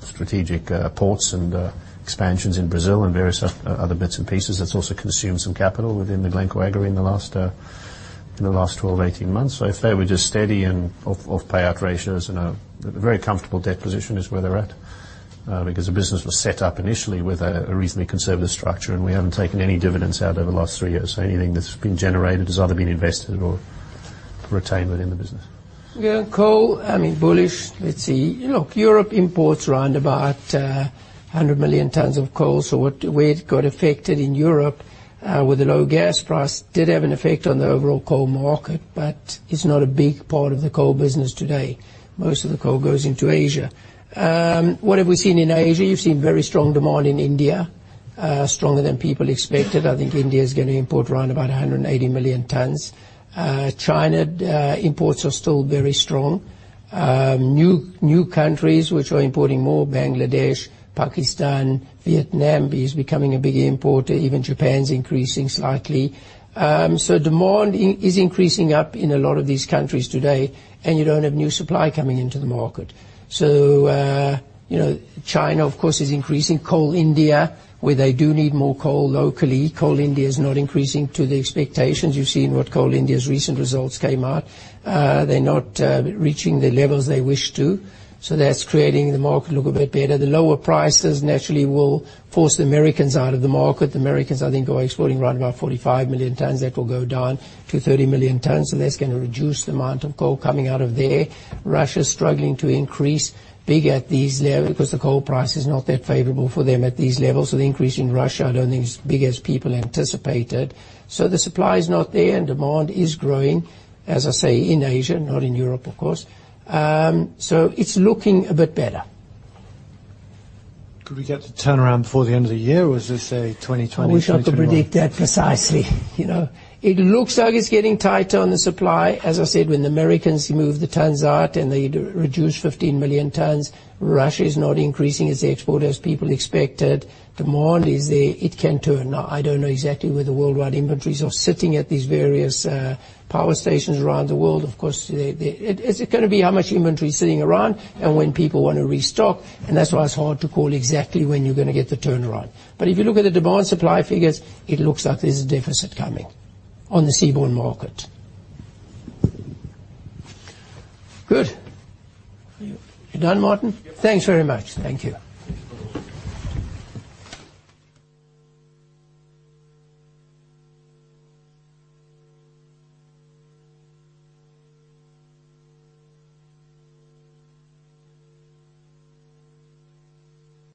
strategic ports and expansions in Brazil and various other bits and pieces that's also consumed some capital within the Glencore Agri in the last 12 months, 18 months. I'd say we're just steady and off payout ratios and a very comfortable debt position is where they're at. The business was set up initially with a reasonably conservative structure, and we haven't taken any dividends out over the last three years. Anything that's been generated has either been invested or retained within the business. Yeah, coal, I mean, bullish. Let's see. Look, Europe imports around about 100 million tonnes of coal. Where it got affected in Europe, with the low gas price, did have an effect on the overall coal market, but it's not a big part of the coal business today. Most of the coal goes into Asia. What have we seen in Asia? You've seen very strong demand in India, stronger than people expected. I think India is going to import around about 180 million tonnes. China imports are still very strong. New countries which are importing more, Bangladesh, Pakistan, Vietnam is becoming a big importer. Even Japan's increasing slightly. Demand is increasing up in a lot of these countries today, and you don't have new supply coming into the market. China, of course, is increasing coal. India, where they do need more coal locally, Coal India is not increasing to the expectations. You've seen what Coal India's recent results came out. They're not reaching the levels they wish to. That's creating the market look a bit better. The lower prices naturally will force the Americans out of the market. The Americans, I think, are exporting around about 45 million tonnes. That will go down to 30 million tonnes. That's going to reduce the amount of coal coming out of there. Russia's struggling to increase big at these levels because the coal price is not that favorable for them at these levels. The increase in Russia, I don't think is as big as people anticipated. The supply is not there, and demand is growing, as I say, in Asia, not in Europe, of course. It's looking a bit better. Could we get the turnaround before the end of the year, or is this a 2020, 2021? I wish I could predict that precisely. It looks like it's getting tighter on the supply. As I said, when the Americans move the tonnes out and they reduce 15 million tonnes, Russia is not increasing its export as people expected. Demand is there. It can turn. Now, I don't know exactly where the worldwide inventories are sitting at these various power stations around the world. Of course, it's going to be how much inventory is sitting around and when people want to restock, and that's why it's hard to call exactly when you're going to get the turnaround. If you look at the demand supply figures, it looks like there's a deficit coming on the seaborne market. Good. Are you done, Martin? Thanks very much. Thank you.